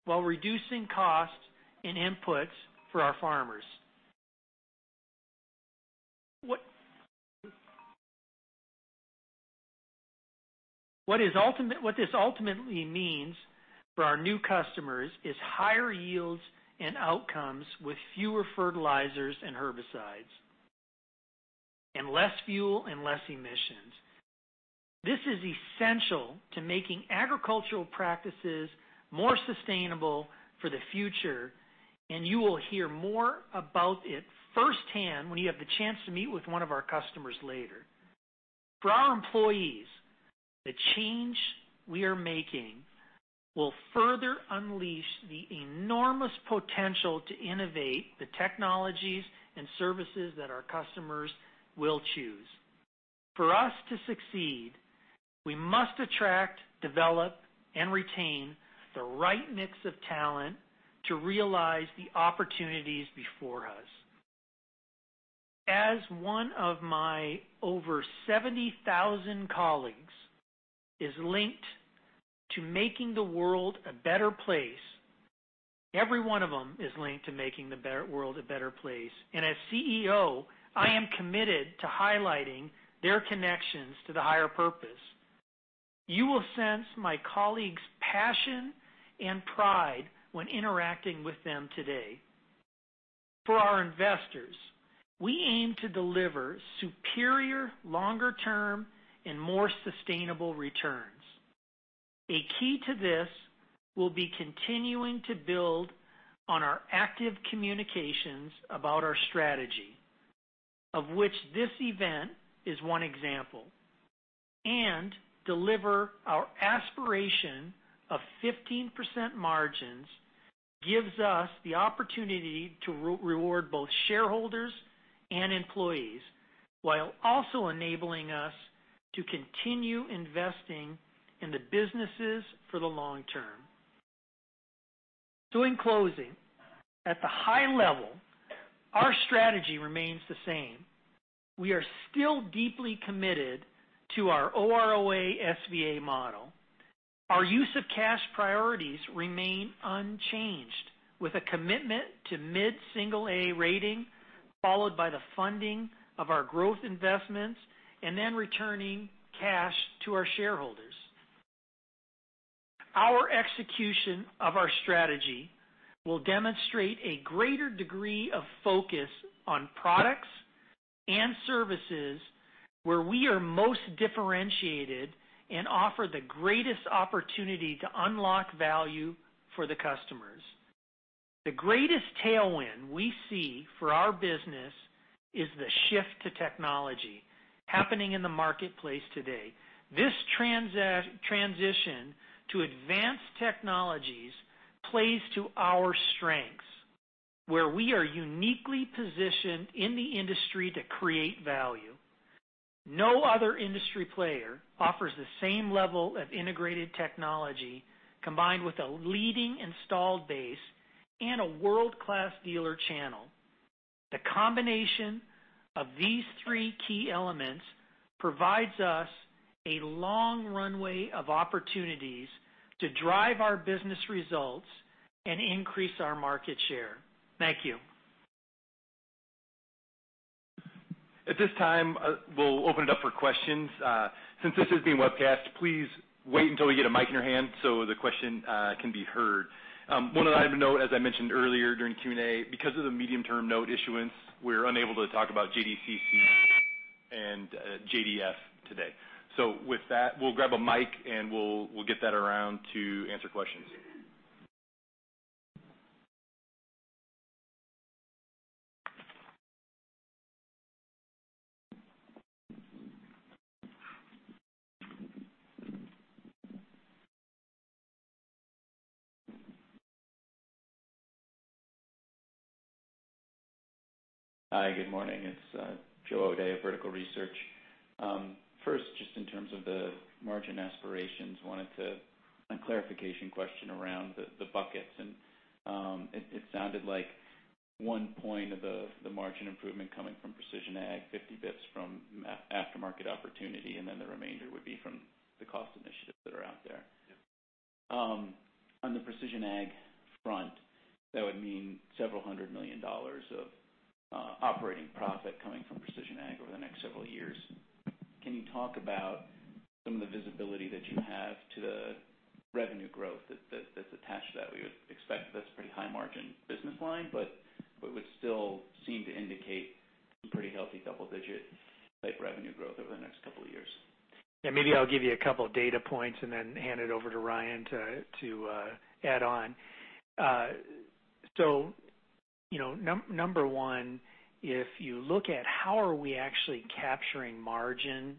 while reducing costs and inputs for our farmers. What this ultimately means for our new customers is higher yields and outcomes with fewer fertilizers and herbicides, and less fuel and less emissions. This is essential to making agricultural practices more sustainable for the future, you will hear more about it firsthand when you have the chance to meet with one of our customers later. For our employees, the change we are making will further unleash the enormous potential to innovate the technologies and services that our customers will choose. For us to succeed, we must attract, develop, and retain the right mix of talent to realize the opportunities before us. As one of my over 70,000 colleagues is linked to making the world a better place, every one of them is linked to making the world a better place. As CEO, I am committed to highlighting their connections to the higher purpose. You will sense my colleagues' passion and pride when interacting with them today. For our investors, we aim to deliver superior, longer-term, and more sustainable returns. A key to this will be continuing to build on our active communications about our strategy, of which this event is one example, and deliver our aspiration of 15% margins gives us the opportunity to reward both shareholders and employees, while also enabling us to continue investing in the businesses for the long term. In closing, at the high level, our strategy remains the same. We are still deeply committed to our OROA SVA model. Our use of cash priorities remain unchanged, with a commitment to mid-single A rating, followed by the funding of our growth investments, and then returning cash to our shareholders. Our execution of our strategy will demonstrate a greater degree of focus on products and services where we are most differentiated and offer the greatest opportunity to unlock value for the customers. The greatest tailwind we see for our business is the shift to technology happening in the marketplace today. This transition to advanced technologies plays to our strengths, where we are uniquely positioned in the industry to create value. No other industry player offers the same level of integrated technology, combined with a leading installed base and a world-class dealer channel. The combination of these three key elements provides us a long runway of opportunities to drive our business results and increase our market share. Thank you. At this time, we'll open it up for questions. Since this is being webcast, please wait until you get a mic in your hand so the question can be heard. One item of note, as I mentioned earlier during Q&A, because of the medium-term note issuance, we're unable to talk about JDCC and JDF today. With that, we'll grab a mic and we'll get that around to answer questions. Hi, good morning. It's Joe O'Dea of Vertical Research. First, just in terms of the margin aspirations, wanted a clarification question around the buckets. It sounded like one point of the margin improvement coming from Precision Ag, 50 basis points from aftermarket opportunity, then the remainder would be from the cost initiatives that are out there. Yeah. On the Precision Ag front, that would mean several hundred million dollars of operating profit coming from Precision Ag over the next several years. Can you talk about some of the visibility that you have to the revenue growth that's attached to that? We would expect that's a pretty high margin business line, but it would still seem to indicate some pretty healthy double-digit type revenue growth over the next couple of years. Yeah, maybe I'll give you a couple data points and then hand it over to Ryan to add on. Number one, if you look at how are we actually capturing margin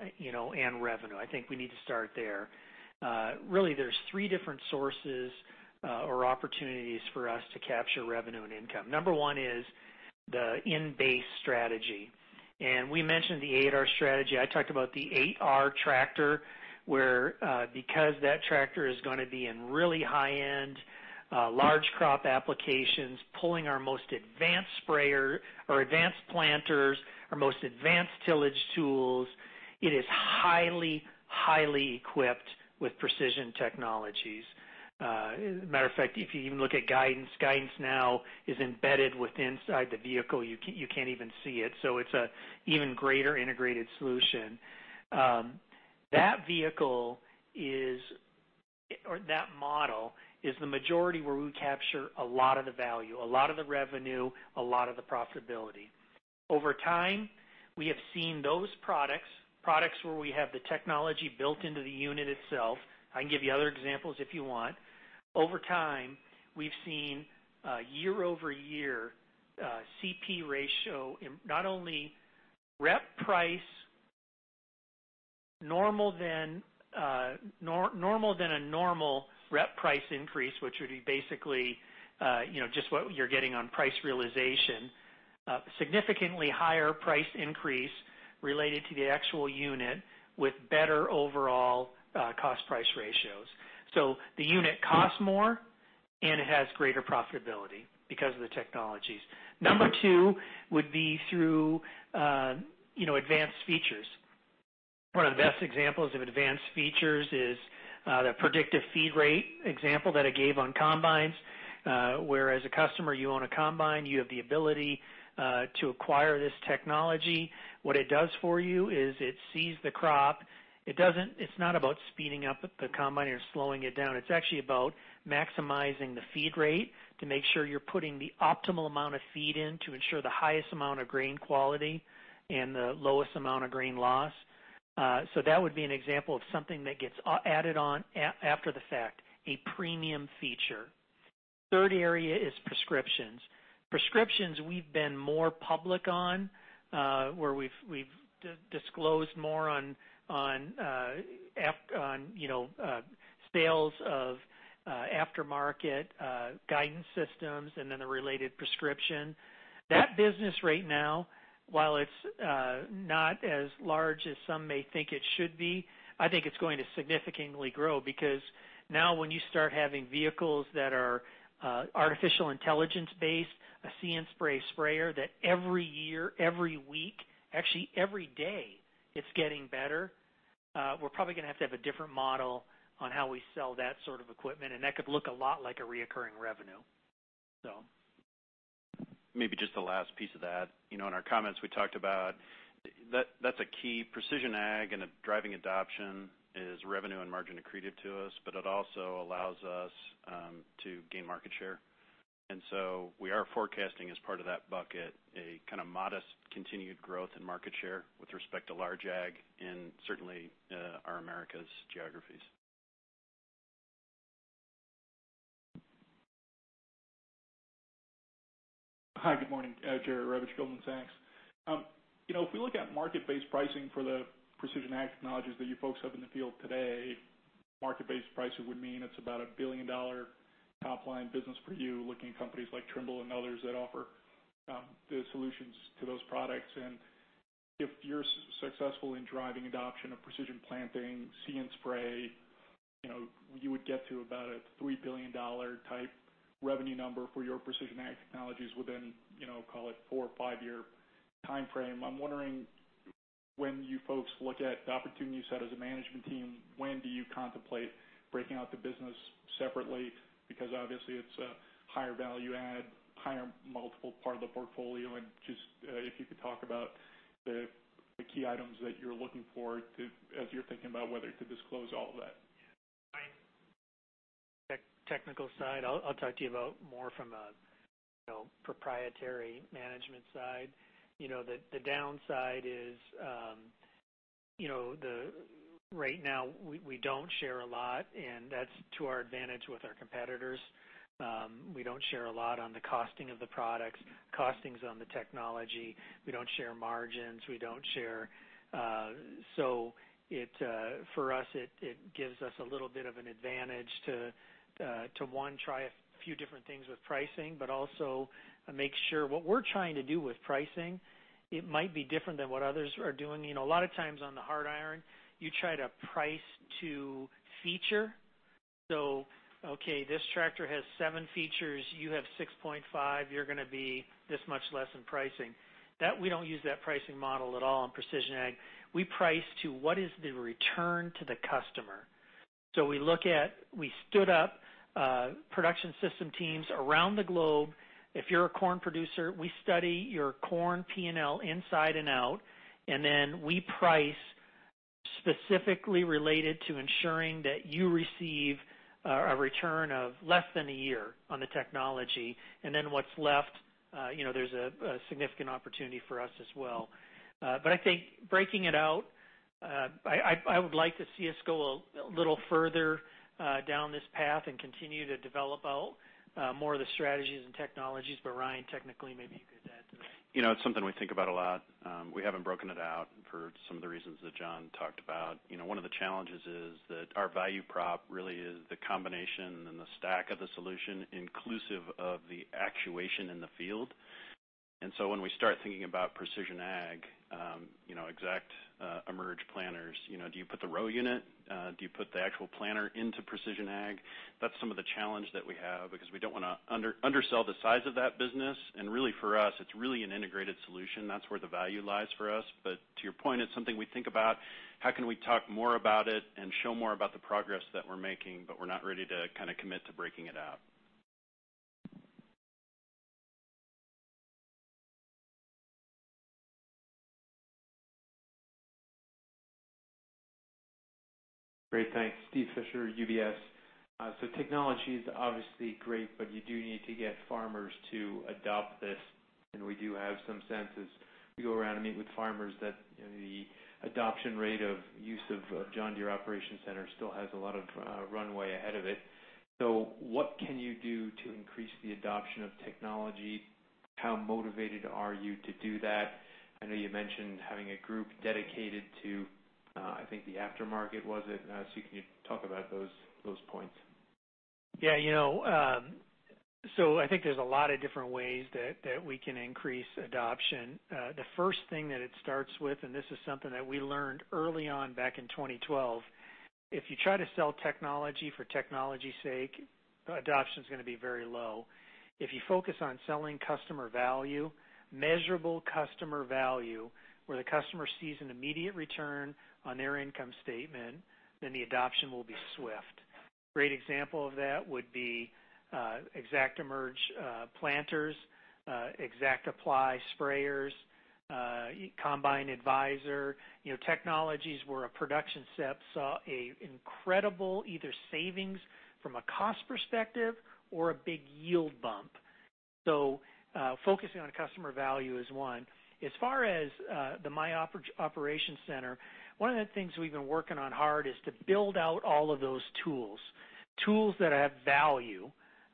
and revenue, I think we need to start there. Really, there's three different sources or opportunities for us to capture revenue and income. Number one is the in-base strategy. We mentioned the 8R strategy. I talked about the 8R tractor, where because that tractor is going to be in really high-end, large crop applications, pulling our most advanced sprayers or advanced planters, our most advanced tillage tools, it is highly equipped with precision technologies. As a matter of fact, if you even look at guidance now is embedded with inside the vehicle. You can't even see it. It's an even greater integrated solution. That vehicle is, or that model is the majority where we capture a lot of the value, a lot of the revenue, a lot of the profitability. Over time, we have seen those products where we have the technology built into the unit itself. I can give you other examples if you want. Over time, we've seen year-over-year CP ratio in not only rep price normal than a normal rep price increase, which would be basically just what you're getting on price realization. Significantly higher price increase related to the actual unit with better overall cost price ratios. The unit costs more, and it has greater profitability because of the technologies. Number two would be through advanced features. One of the best examples of advanced features is the predictive feed rate example that I gave on combines. Where as a customer, you own a combine, you have the ability to acquire this technology. What it does for you is it sees the crop. It's not about speeding up the combine or slowing it down. It's actually about maximizing the feed rate to make sure you're putting the optimal amount of feed in to ensure the highest amount of grain quality and the lowest amount of grain loss. That would be an example of something that gets added on after the fact, a premium feature. Third area is prescriptions. Prescriptions we've been more public on, where we've disclosed more on sales of aftermarket guidance systems and then the related prescription. That business right now, while it's not as large as some may think it should be, I think it's going to significantly grow because now when you start having vehicles that are artificial intelligence based, a See & Spray sprayer that every year, every week, actually every day, it's getting better. We're probably going to have to have a different model on how we sell that sort of equipment, and that could look a lot like a reoccurring revenue. Maybe just the last piece of that. In our comments, we talked about that's a key Precision Ag and a driving adoption is revenue and margin accretive to us. It also allows us to gain market share. We are forecasting as part of that bucket, a kind of modest continued growth in market share with respect to Large Ag and certainly our Americas geographies. Hi, good morning. Jerry Revich, Goldman Sachs. If we look at market-based pricing for the Precision Ag technologies that you folks have in the field today, market-based pricing would mean it's about a billion-dollar top-line business for you looking at companies like Trimble and others that offer the solutions to those products. If you're successful in driving adoption of precision planting, See & Spray, you would get to about a $3 billion type revenue number for your Precision Ag technologies within, call it four or five year timeframe. I'm wondering when you folks look at the opportunity set as a management team, when do you contemplate breaking out the business separately? Obviously it's a higher value add, higher multiple part of the portfolio. Just if you could talk about the key items that you're looking for as you're thinking about whether to disclose all of that. Technical side, I'll talk to you about more from a proprietary management side. The downside is right now, we don't share a lot, and that's to our advantage with our competitors. We don't share a lot on the costing of the products, costings on the technology. We don't share margins. For us, it gives us a little bit of an advantage to, one, try a few different things with pricing, but also make sure what we're trying to do with pricing, it might be different than what others are doing. A lot of times on the hard iron, you try to price to feature. Okay, this tractor has seven features. You have 6.5. You're going to be this much less in pricing. We don't use that pricing model at all in Precision Ag. We price to what is the return to the customer. We stood up production system teams around the globe. If you're a corn producer, we study your corn P&L inside and out, then we price specifically related to ensuring that you receive a return of less than a year on the technology. Then what's left, there's a significant opportunity for us as well. I think breaking it out, I would like to see us go a little further down this path and continue to develop out more of the strategies and technologies. Ryan, technically, maybe you could add to that. It's something we think about a lot. We haven't broken it out for some of the reasons that John talked about. One of the challenges is that our value prop really is the combination and the stack of the solution inclusive of the actuation in the field. When we start thinking about Precision Ag, ExactEmerge planters, do you put the row unit? Do you put the actual planter into Precision Ag? That's some of the challenge that we have because we don't want to undersell the size of that business. Really for us, it's really an integrated solution. That's where the value lies for us. To your point, it's something we think about. How can we talk more about it and show more about the progress that we're making, but we're not ready to commit to breaking it out. Great. Thanks. Steve Fisher, UBS. Technology is obviously great, but you do need to get farmers to adopt this. We do have some senses. We go around and meet with farmers that the adoption rate of use of John Deere Operations Center still has a lot of runway ahead of it. What can you do to increase the adoption of technology? How motivated are you to do that? I know you mentioned having a group dedicated to, I think, the aftermarket, was it? Can you talk about those points? I think there's a lot of different ways that we can increase adoption. The first thing that it starts with, and this is something that we learned early on back in 2012, if you try to sell technology for technology's sake, adoption's going to be very low. If you focus on selling customer value, measurable customer value, where the customer sees an immediate return on their income statement, then the adoption will be swift. Great example of that would be ExactEmerge planters, ExactApply sprayers, Combine Advisor. Technologies where a production set saw a incredible either savings from a cost perspective or a big yield bump. Focusing on customer value is one. As far as the John Deere Operations Center, one of the things we've been working on hard is to build out all of those tools. Tools that add value,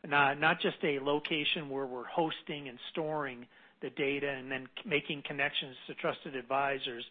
not just a location where we're hosting and storing the data and then making connections to trusted advisors,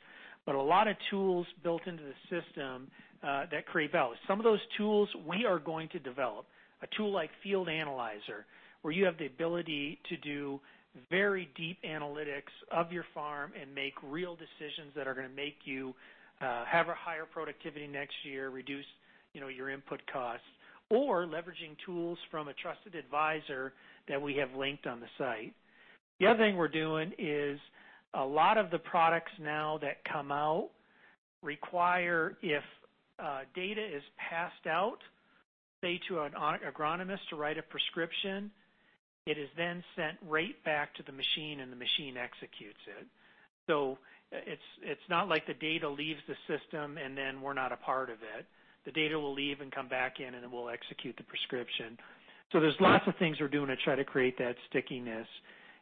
but a lot of tools built into the system that create value. Some of those tools we are going to develop. A tool like Field Analyzer, where you have the ability to do very deep analytics of your farm and make real decisions that are going to make you have a higher productivity next year, reduce your input costs, or leveraging tools from a trusted advisor that we have linked on the site. The other thing we're doing is a lot of the products now that come out require, if data is passed out, say, to an agronomist to write a prescription, it is then sent right back to the machine, and the machine executes it. It's not like the data leaves the system and then we're not a part of it. The data will leave and come back in, and it will execute the prescription. There's lots of things we're doing to try to create that stickiness.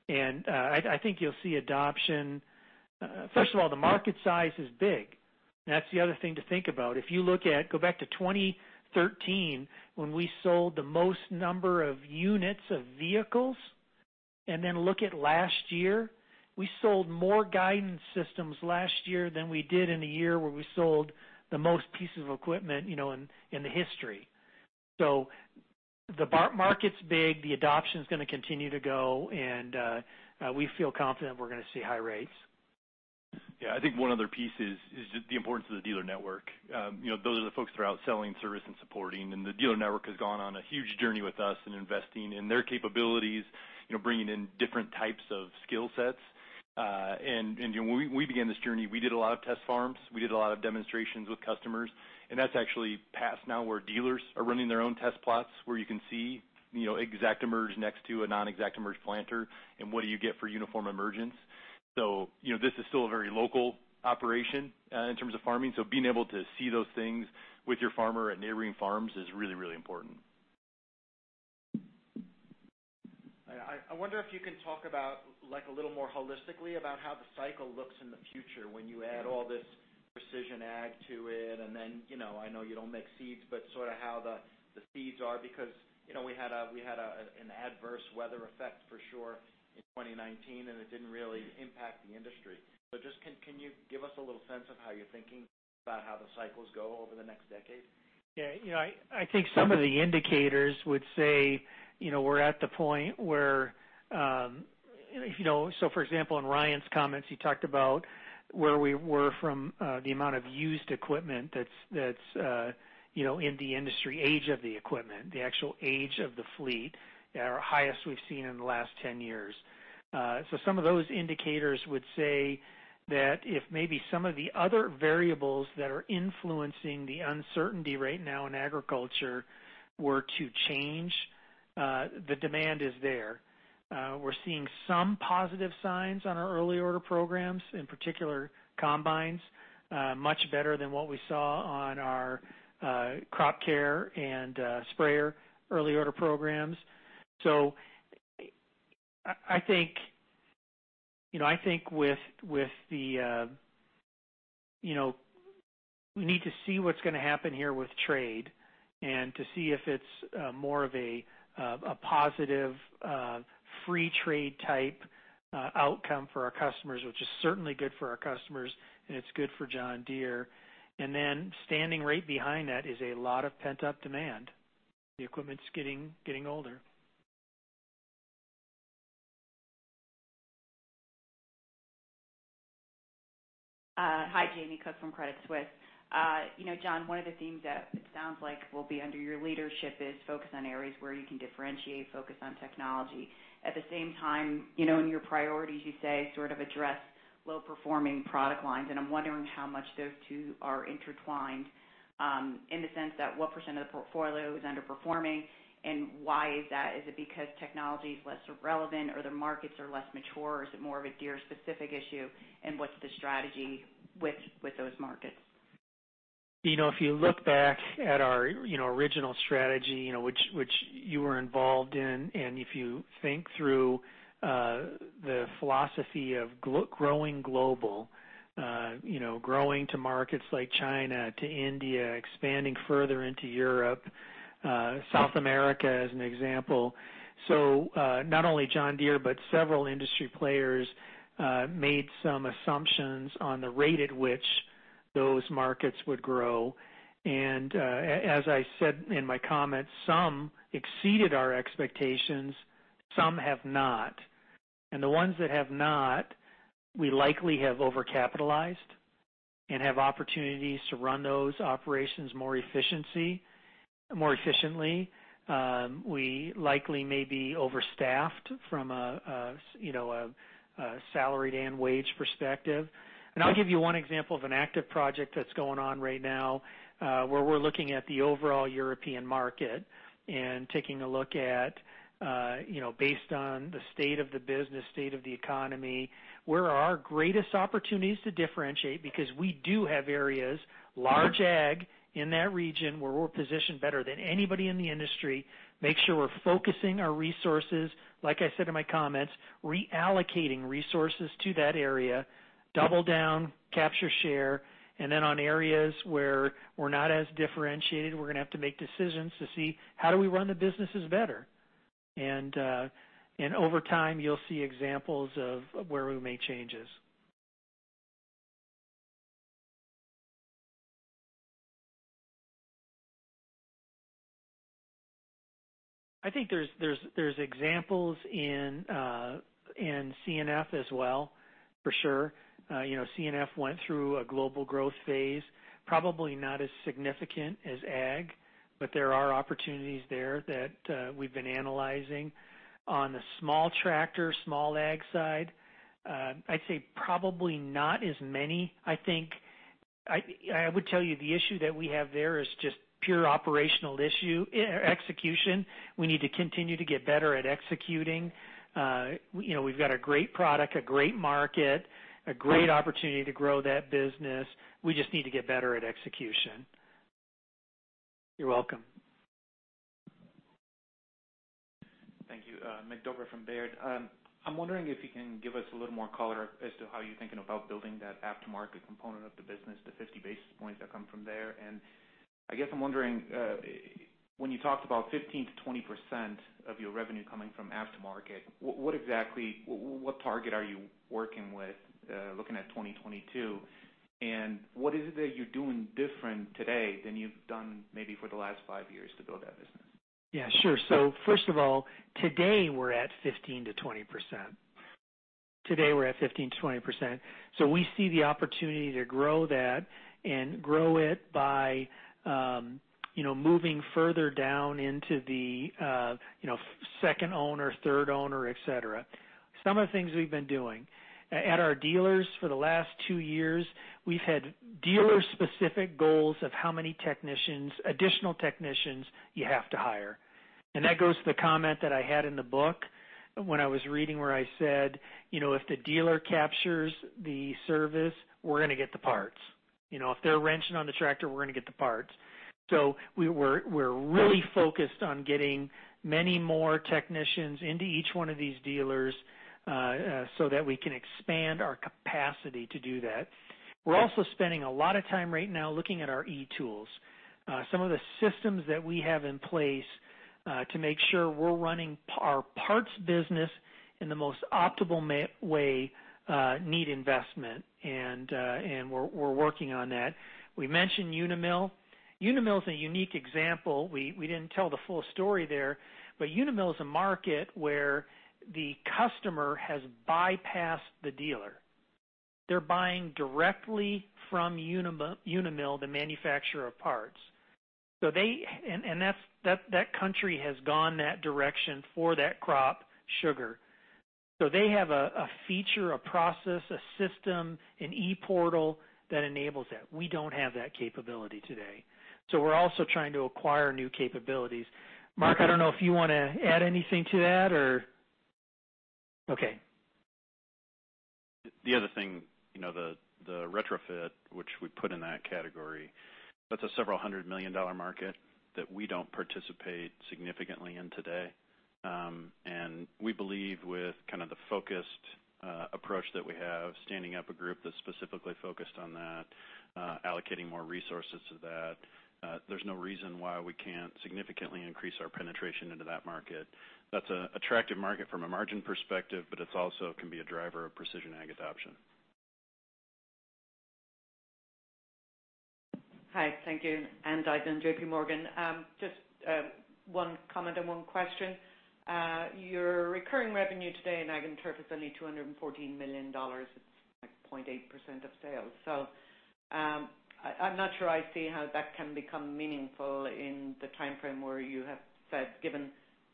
I think you'll see adoption. First of all, the market size is big. That's the other thing to think about. If you go back to 2013 when we sold the most number of units of vehicles and then look at last year, we sold more guidance systems last year than we did in the year where we sold the most pieces of equipment in the history. The market's big, the adoption's going to continue to go, and we feel confident we're going to see high rates. I think one other piece is just the importance of the dealer network. Those are the folks that are out selling service and supporting, the dealer network has gone on a huge journey with us in investing in their capabilities, bringing in different types of skill sets. When we began this journey, we did a lot of test farms. We did a lot of demonstrations with customers, and that's actually passed now where dealers are running their own test plots where you can see ExactEmerge next to a non-ExactEmerge planter and what do you get for uniform emergence. This is still a very local operation in terms of farming, so being able to see those things with your farmer at neighboring farms is really important. I wonder if you can talk about a little more holistically about how the cycle looks in the future when you add all this Precision Ag to it, and then, I know you don't make seeds, but sort of how the seeds are, because we had an adverse weather effect for sure in 2019, and it didn't really impact the industry. Just, can you give us a little sense of how you're thinking about how the cycles go over the next decade? Yeah. I think some of the indicators would say we're at the point where, for example, in Ryan's comments, he talked about where we were from the amount of used equipment that's in the industry. Age of the equipment, the actual age of the fleet, our highest we've seen in the last 10 years. Some of those indicators would say that if maybe some of the other variables that are influencing the uncertainty right now in agriculture were to change, the demand is there. We're seeing some positive signs on our early order programs, in particular combines. Much better than what we saw on our crop care and sprayer early order programs. I think we need to see what's going to happen here with trade and to see if it's more of a positive free trade type outcome for our customers, which is certainly good for our customers, and it's good for John Deere. Then standing right behind that is a lot of pent-up demand. The equipment's getting older. Hi, Jamie Cook from Credit Suisse. John, one of the themes that it sounds like will be under your leadership is focus on areas where you can differentiate, focus on technology. At the same time, in your priorities, you say sort of address low-performing product lines, and I'm wondering how much those two are intertwined, in the sense that what percent of the portfolio is underperforming and why is that? Is it because technology's less relevant or the markets are less mature, or is it more of a Deere-specific issue? What's the strategy with those markets? If you look back at our original strategy which you were involved in, and if you think through the philosophy of growing global, growing to markets like China, to India, expanding further into Europe, South America as an example. Not only John Deere, but several industry players made some assumptions on the rate at which those markets would grow. As I said in my comments, some exceeded our expectations, some have not. The ones that have not, we likely have overcapitalized and have opportunities to run those operations more efficiently. We likely may be overstaffed from a salaried and wage perspective. I'll give you one example of an active project that's going on right now where we're looking at the overall European market and taking a look at based on the state of the business, state of the economy, where are our greatest opportunities to differentiate because we do have areas, Large Ag in that region where we're positioned better than anybody in the industry. Make sure we're focusing our resources, like I said in my comments, reallocating resources to that area, double down, capture share. Then on areas where we're not as differentiated, we're going to have to make decisions to see how do we run the businesses better. Over time, you'll see examples of where we make changes. I think there's examples in C&F as well, for sure. C&F went through a global growth phase, probably not as significant as ag, but there are opportunities there that we've been analyzing. On the small tractor, Small Ag side, I'd say probably not as many. I would tell you the issue that we have there is just pure operational issue, execution. We need to continue to get better at executing. We've got a great product, a great market, a great opportunity to grow that business. We just need to get better at execution. You're welcome. Thank you. Mig Dobre from Baird. I'm wondering if you can give us a little more color as to how you're thinking about building that aftermarket component of the business, the 50 basis points that come from there. I guess I'm wondering, when you talked about 15%-20% of your revenue coming from aftermarket, what target are you working with looking at 2022? What is it that you're doing different today than you've done maybe for the last five years to build that business? Yeah, sure. First of all, today we're at 15%-20%. Today we're at 15%-20%. We see the opportunity to grow that and grow it by moving further down into the second owner, third owner, et cetera. Some of the things we've been doing. At our dealers for the last two years, we've had dealer-specific goals of how many additional technicians you have to hire. That goes to the comment that I had in the book when I was reading where I said, if the dealer captures the service, we're going to get the parts. If they're wrenching on the tractor, we're going to get the parts. We're really focused on getting many more technicians into each one of these dealers so that we can expand our capacity to do that. We're also spending a lot of time right now looking at our e-tools. Some of the systems that we have in place to make sure we're running our parts business in the most optimal way need investment, and we're working on that. We mentioned Unimil. Unimil is a unique example. We didn't tell the full story there, but Unimil is a market where the customer has bypassed the dealer. They're buying directly from Unimil, the manufacturer of parts. That country has gone that direction for that crop, sugar. They have a feature, a process, a system, an e-portal that enables that. We don't have that capability today. We're also trying to acquire new capabilities. Mark, I don't know if you want to add anything to that or okay. The other thing, the retrofit, which we put in that category, that's a several hundred million dollar market that we don't participate significantly in today. We believe with kind of the focused approach that we have, standing up a group that's specifically focused on that, allocating more resources to that, there's no reason why we can't significantly increase our penetration into that market. That's an attractive market from a margin perspective, but it also can be a driver of Precision Ag adoption. Hi. Thank you. Ann Duignan, JPMorgan. Just one comment and one question. Your recurring revenue today in Ag & Turf is only $214 million. It's like 0.8% of sales. I'm not sure I see how that can become meaningful in the time frame where you have said given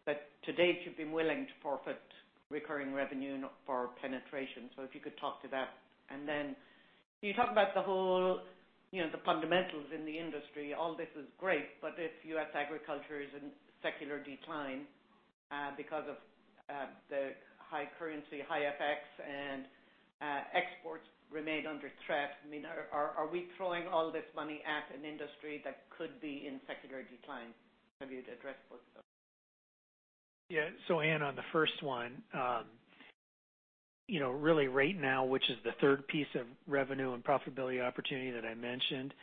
that to date you've been willing to forfeit recurring revenue for penetration. If you could talk to that. You talk about the whole fundamentals in the industry. All this is great, if U.S. agriculture is in secular decline because of the high currency, high FX, and exports remain under threat. Are we throwing all this money at an industry that could be in secular decline? Have you addressed both of those? Yeah. Ann, on the first one. Really right now, which is the third piece of revenue and profitability opportunity that I mentioned,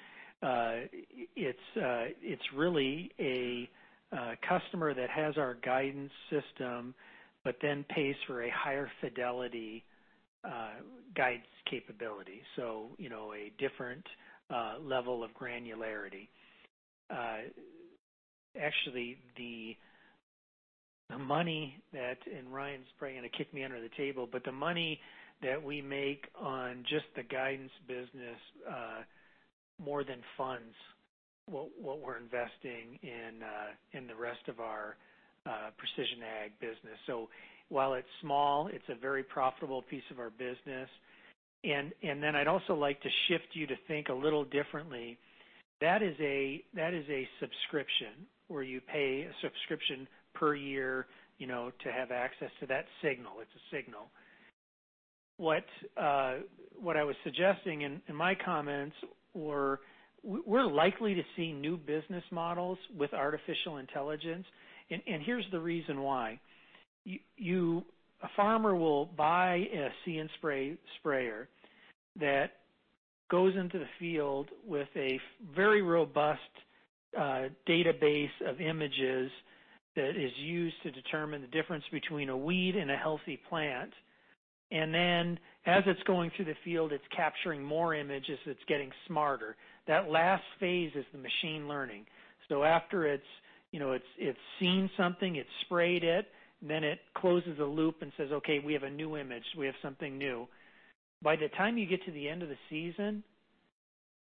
it's really a customer that has our guidance system, but then pays for a higher fidelity guides capability. A different level of granularity. Actually, the money that, Ryan's probably going to kick me under the table, but the money that we make on just the guidance business more than funds what we're investing in the rest of our Precision Ag business. While it's small, it's a very profitable piece of our business. Then I'd also like to shift you to think a little differently. That is a subscription where you pay a subscription per year to have access to that signal. It's a signal. What I was suggesting in my comments were, we're likely to see new business models with artificial intelligence. Here's the reason why. A farmer will buy a See & Spray sprayer that goes into the field with a very robust database of images that is used to determine the difference between a weed and a healthy plant. As it's going through the field, it's capturing more images, it's getting smarter. That last phase is the machine learning. After it's seen something, it's sprayed it closes the loop and says, "Okay, we have a new image. We have something new." By the time you get to the end of the season,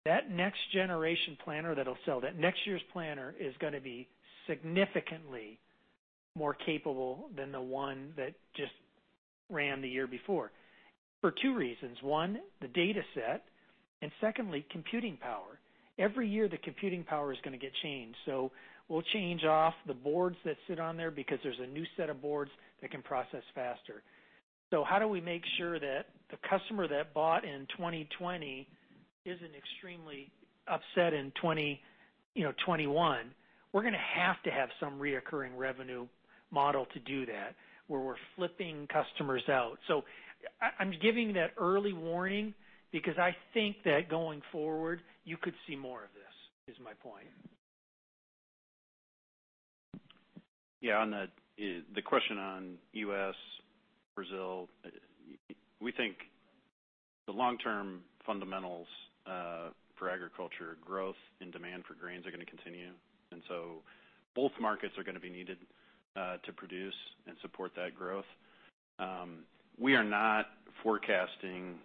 that next generation planter that'll sell, that next year's planter is going to be significantly more capable than the one that just ran the year before. For two reasons. One, the data set, and secondly, computing power. Every year, the computing power is going to get changed. We'll change off the boards that sit on there because there's a new set of boards that can process faster. How do we make sure that the customer that bought in 2020 isn't extremely upset in 2021? We're going to have to have some recurring revenue model to do that, where we're flipping customers out. I'm giving that early warning because I think that going forward, you could see more of this, is my point. On the question on U.S., Brazil, we think the long-term fundamentals for agriculture growth and demand for grains are going to continue. Both markets are going to be needed to produce and support that growth. We are not forecasting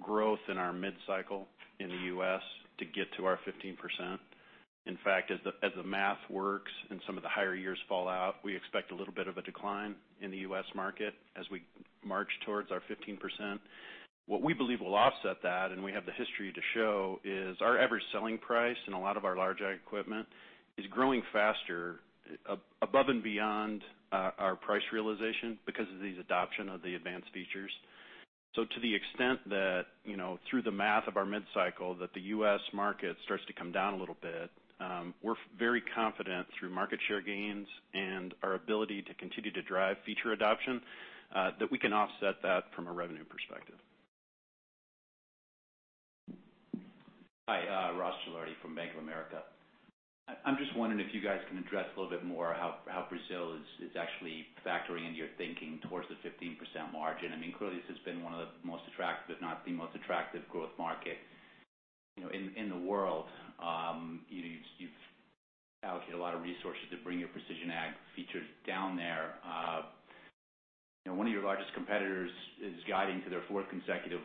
growth in our mid-cycle in the U.S. to get to our 15%. In fact, as the math works and some of the higher years fall out, we expect a little bit of a decline in the U.S. market as we march towards our 15%. What we believe will offset that, and we have the history to show, is our average selling price in a lot of our Large Ag equipment is growing faster above and beyond our price realization because of these adoption of the advanced features. To the extent that through the math of our mid-cycle that the U.S. market starts to come down a little bit, we're very confident through market share gains and our ability to continue to drive feature adoption, that we can offset that from a revenue perspective. Hi, Ross Gilardi from Bank of America. I'm just wondering if you guys can address a little bit more how Brazil is actually factoring into your thinking towards the 15% margin. Clearly, this has been one of the most attractive, if not the most attractive growth market in the world. You've allocated a lot of resources to bring your Precision Ag features down there. One of your largest competitors is guiding to their fourth consecutive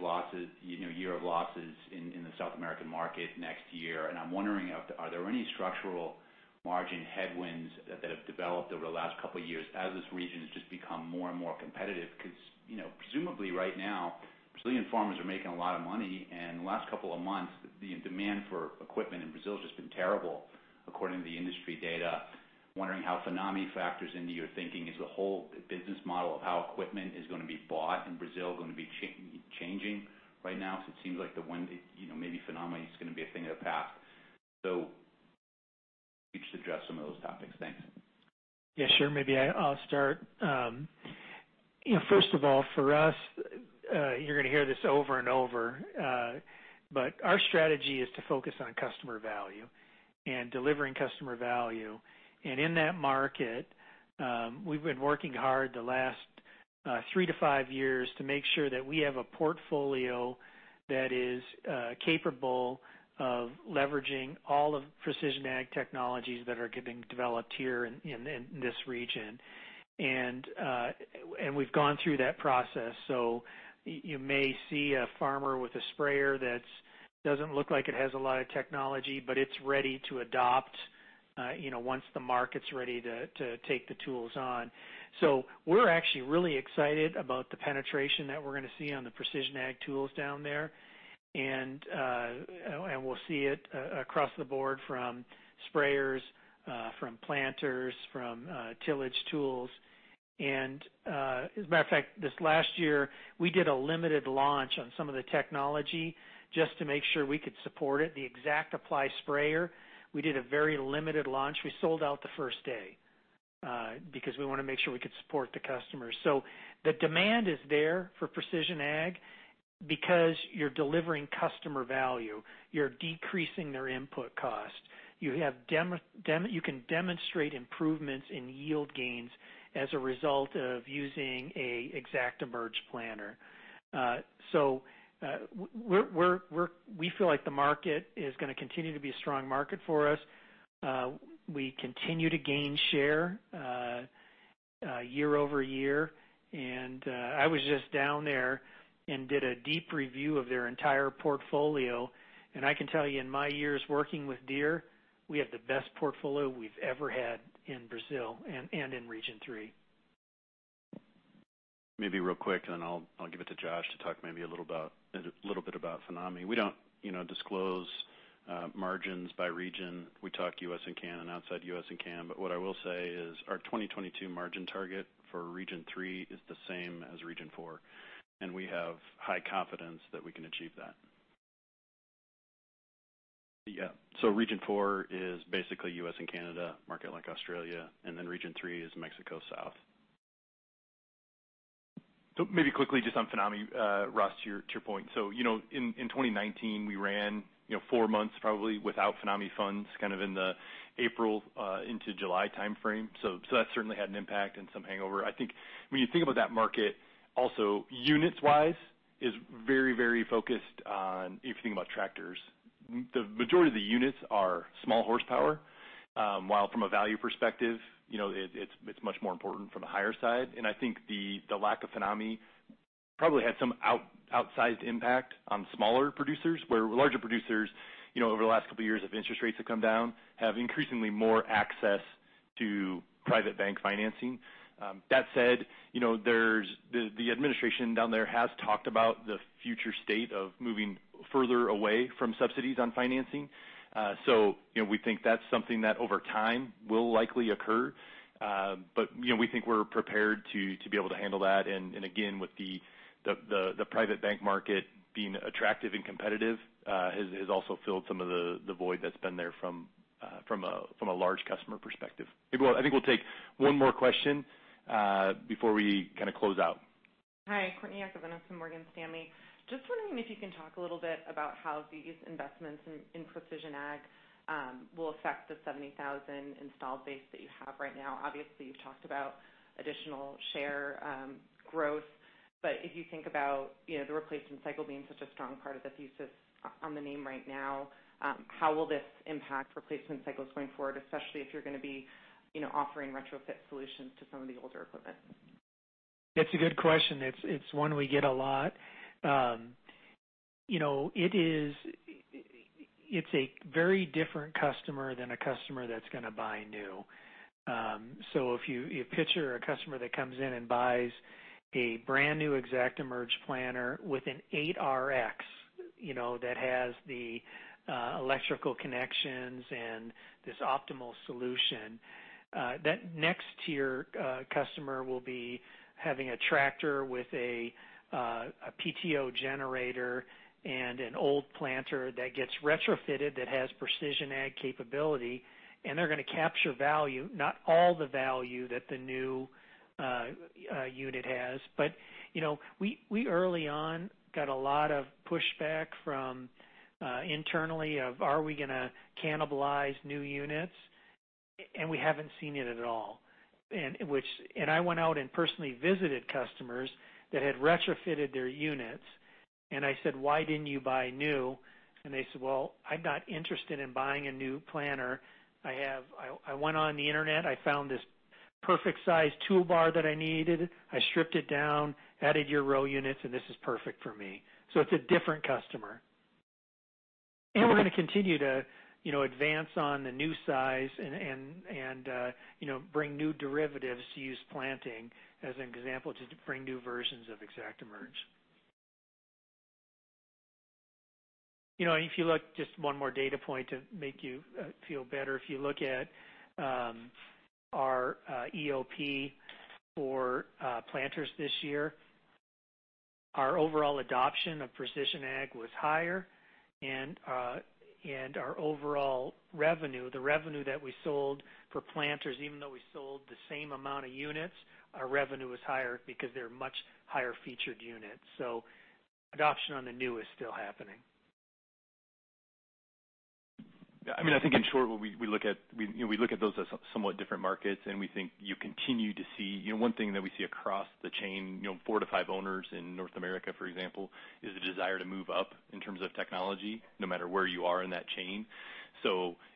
year of losses in the South American market next year. I'm wondering, are there any structural margin headwinds that have developed over the last couple of years as this region has just become more and more competitive? Presumably right now, Brazilian farmers are making a lot of money, and the last couple of months, the demand for equipment in Brazil has just been terrible according to the industry data. Wondering how FINAME factors into your thinking. Is the whole business model of how equipment is going to be bought in Brazil going to be changing right now? It seems like maybe FINAME is going to be a thing of the past. Can you just address some of those topics? Thanks. Yeah, sure. Maybe I'll start. First of all, for us, you're going to hear this over and over. Our strategy is to focus on customer value and delivering customer value. In that market, we've been working hard the last three to five years to make sure that we have a portfolio that is capable of leveraging all of Precision Ag technologies that are getting developed here in this region. We've gone through that process. You may see a farmer with a sprayer that doesn't look like it has a lot of technology, but it's ready to adopt once the market's ready to take the tools on. We're actually really excited about the penetration that we're going to see on the Precision Ag tools down there. We'll see it across the board from sprayers, from planters, from tillage tools. As a matter of fact, this last year, we did a limited launch on some of the technology just to make sure we could support it. The ExactApply sprayer, we did a very limited launch. We sold out the first day because we wanted to make sure we could support the customers. The demand is there for Precision Ag because you're delivering customer value, you're decreasing their input cost. You can demonstrate improvements in yield gains as a result of using a ExactEmerge planter. We feel like the market is going to continue to be a strong market for us. We continue to gain share year-over-year. I was just down there and did a deep review of their entire portfolio. I can tell you, in my years working with Deere, we have the best portfolio we've ever had in Brazil and in Region 3. Maybe real quick, I'll give it to Josh to talk maybe a little bit about FINAME. We don't disclose margins by region. We talk U.S. and Canada and outside U.S. and Canada. What I will say is our 2022 margin target for Region 3 is the same as Region 4, and we have high confidence that we can achieve that. Yeah. Region 4 is basically U.S. and Canada, market like Australia, Region 3 is Mexico South. Maybe quickly just on FINAME, Ross, to your point. In 2019, we ran four months probably without FINAME funds, kind of in the April into July timeframe. That certainly had an impact and some hangover. I think when you think about that market also units-wise is very focused on if you think about tractors, the majority of the units are small horsepower. While from a value perspective it's much more important from the higher side. I think the lack of FINAME probably had some outsized impact on smaller producers where larger producers over the last couple of years as interest rates have come down, have increasingly more access to private bank financing. That said, the administration down there has talked about the future state of moving further away from subsidies on financing. We think that's something that over time will likely occur. We think we're prepared to be able to handle that. Again, with the private bank market being attractive and competitive has also filled some of the void that's been there from a large customer perspective. I think we'll take one more question before we close out. Hi, Courtney Yakavonis from Morgan Stanley. Just wondering if you can talk a little bit about how these investments in Precision Ag will affect the 70,000 installed base that you have right now. Obviously, you've talked about additional share growth, if you think about the replacement cycle being such a strong part of the thesis on the name right now, how will this impact replacement cycles going forward, especially if you're going to be offering retrofit solutions to some of the older equipment? That's a good question. It's one we get a lot. It's a very different customer than a customer that's going to buy new. If you picture a customer that comes in and buys a brand new ExactEmerge planter with an 8RX that has the electrical connections and this optimal solution, that next tier customer will be having a tractor with a PTO generator and an old planter that gets retrofitted that has Precision Ag capability, they're going to capture value. Not all the value that the new unit has, we early on got a lot of pushback from internally of, are we going to cannibalize new units? We haven't seen it at all. I went out and personally visited customers that had retrofitted their units, and I said, "Why didn't you buy new?" They said, "Well, I'm not interested in buying a new planter. I went on the internet. I found this perfect size toolbar that I needed. I stripped it down, added your row units, and this is perfect for me." It's a different customer. We're going to continue to advance on the new size and bring new derivatives to use planting as an example to bring new versions of ExactEmerge. If you look, just one more data point to make you feel better. If you look at our EOP for planters this year, our overall adoption of Precision Ag was higher, and our overall revenue, the revenue that we sold for planters, even though we sold the same amount of units, our revenue was higher because they're much higher featured units. Adoption on the new is still happening. I think in short, we look at those as somewhat different markets, and we think you continue to see. One thing that we see across the chain, four to five owners in North America, for example, is the desire to move up in terms of technology, no matter where you are in that chain.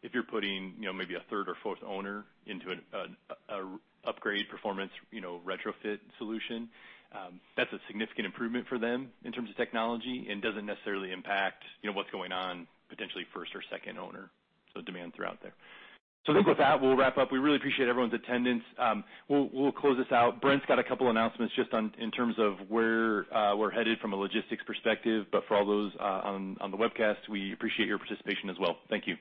If you're putting maybe a third or fourth owner into an upgrade performance retrofit solution, that's a significant improvement for them in terms of technology and doesn't necessarily impact what's going on potentially with first or second owner. Demands are out there. I think with that, we'll wrap up. We really appreciate everyone's attendance. We'll close this out. Brent's got a couple announcements just in terms of where we're headed from a logistics perspective, but for all those on the webcast, we appreciate your participation as well. Thank you.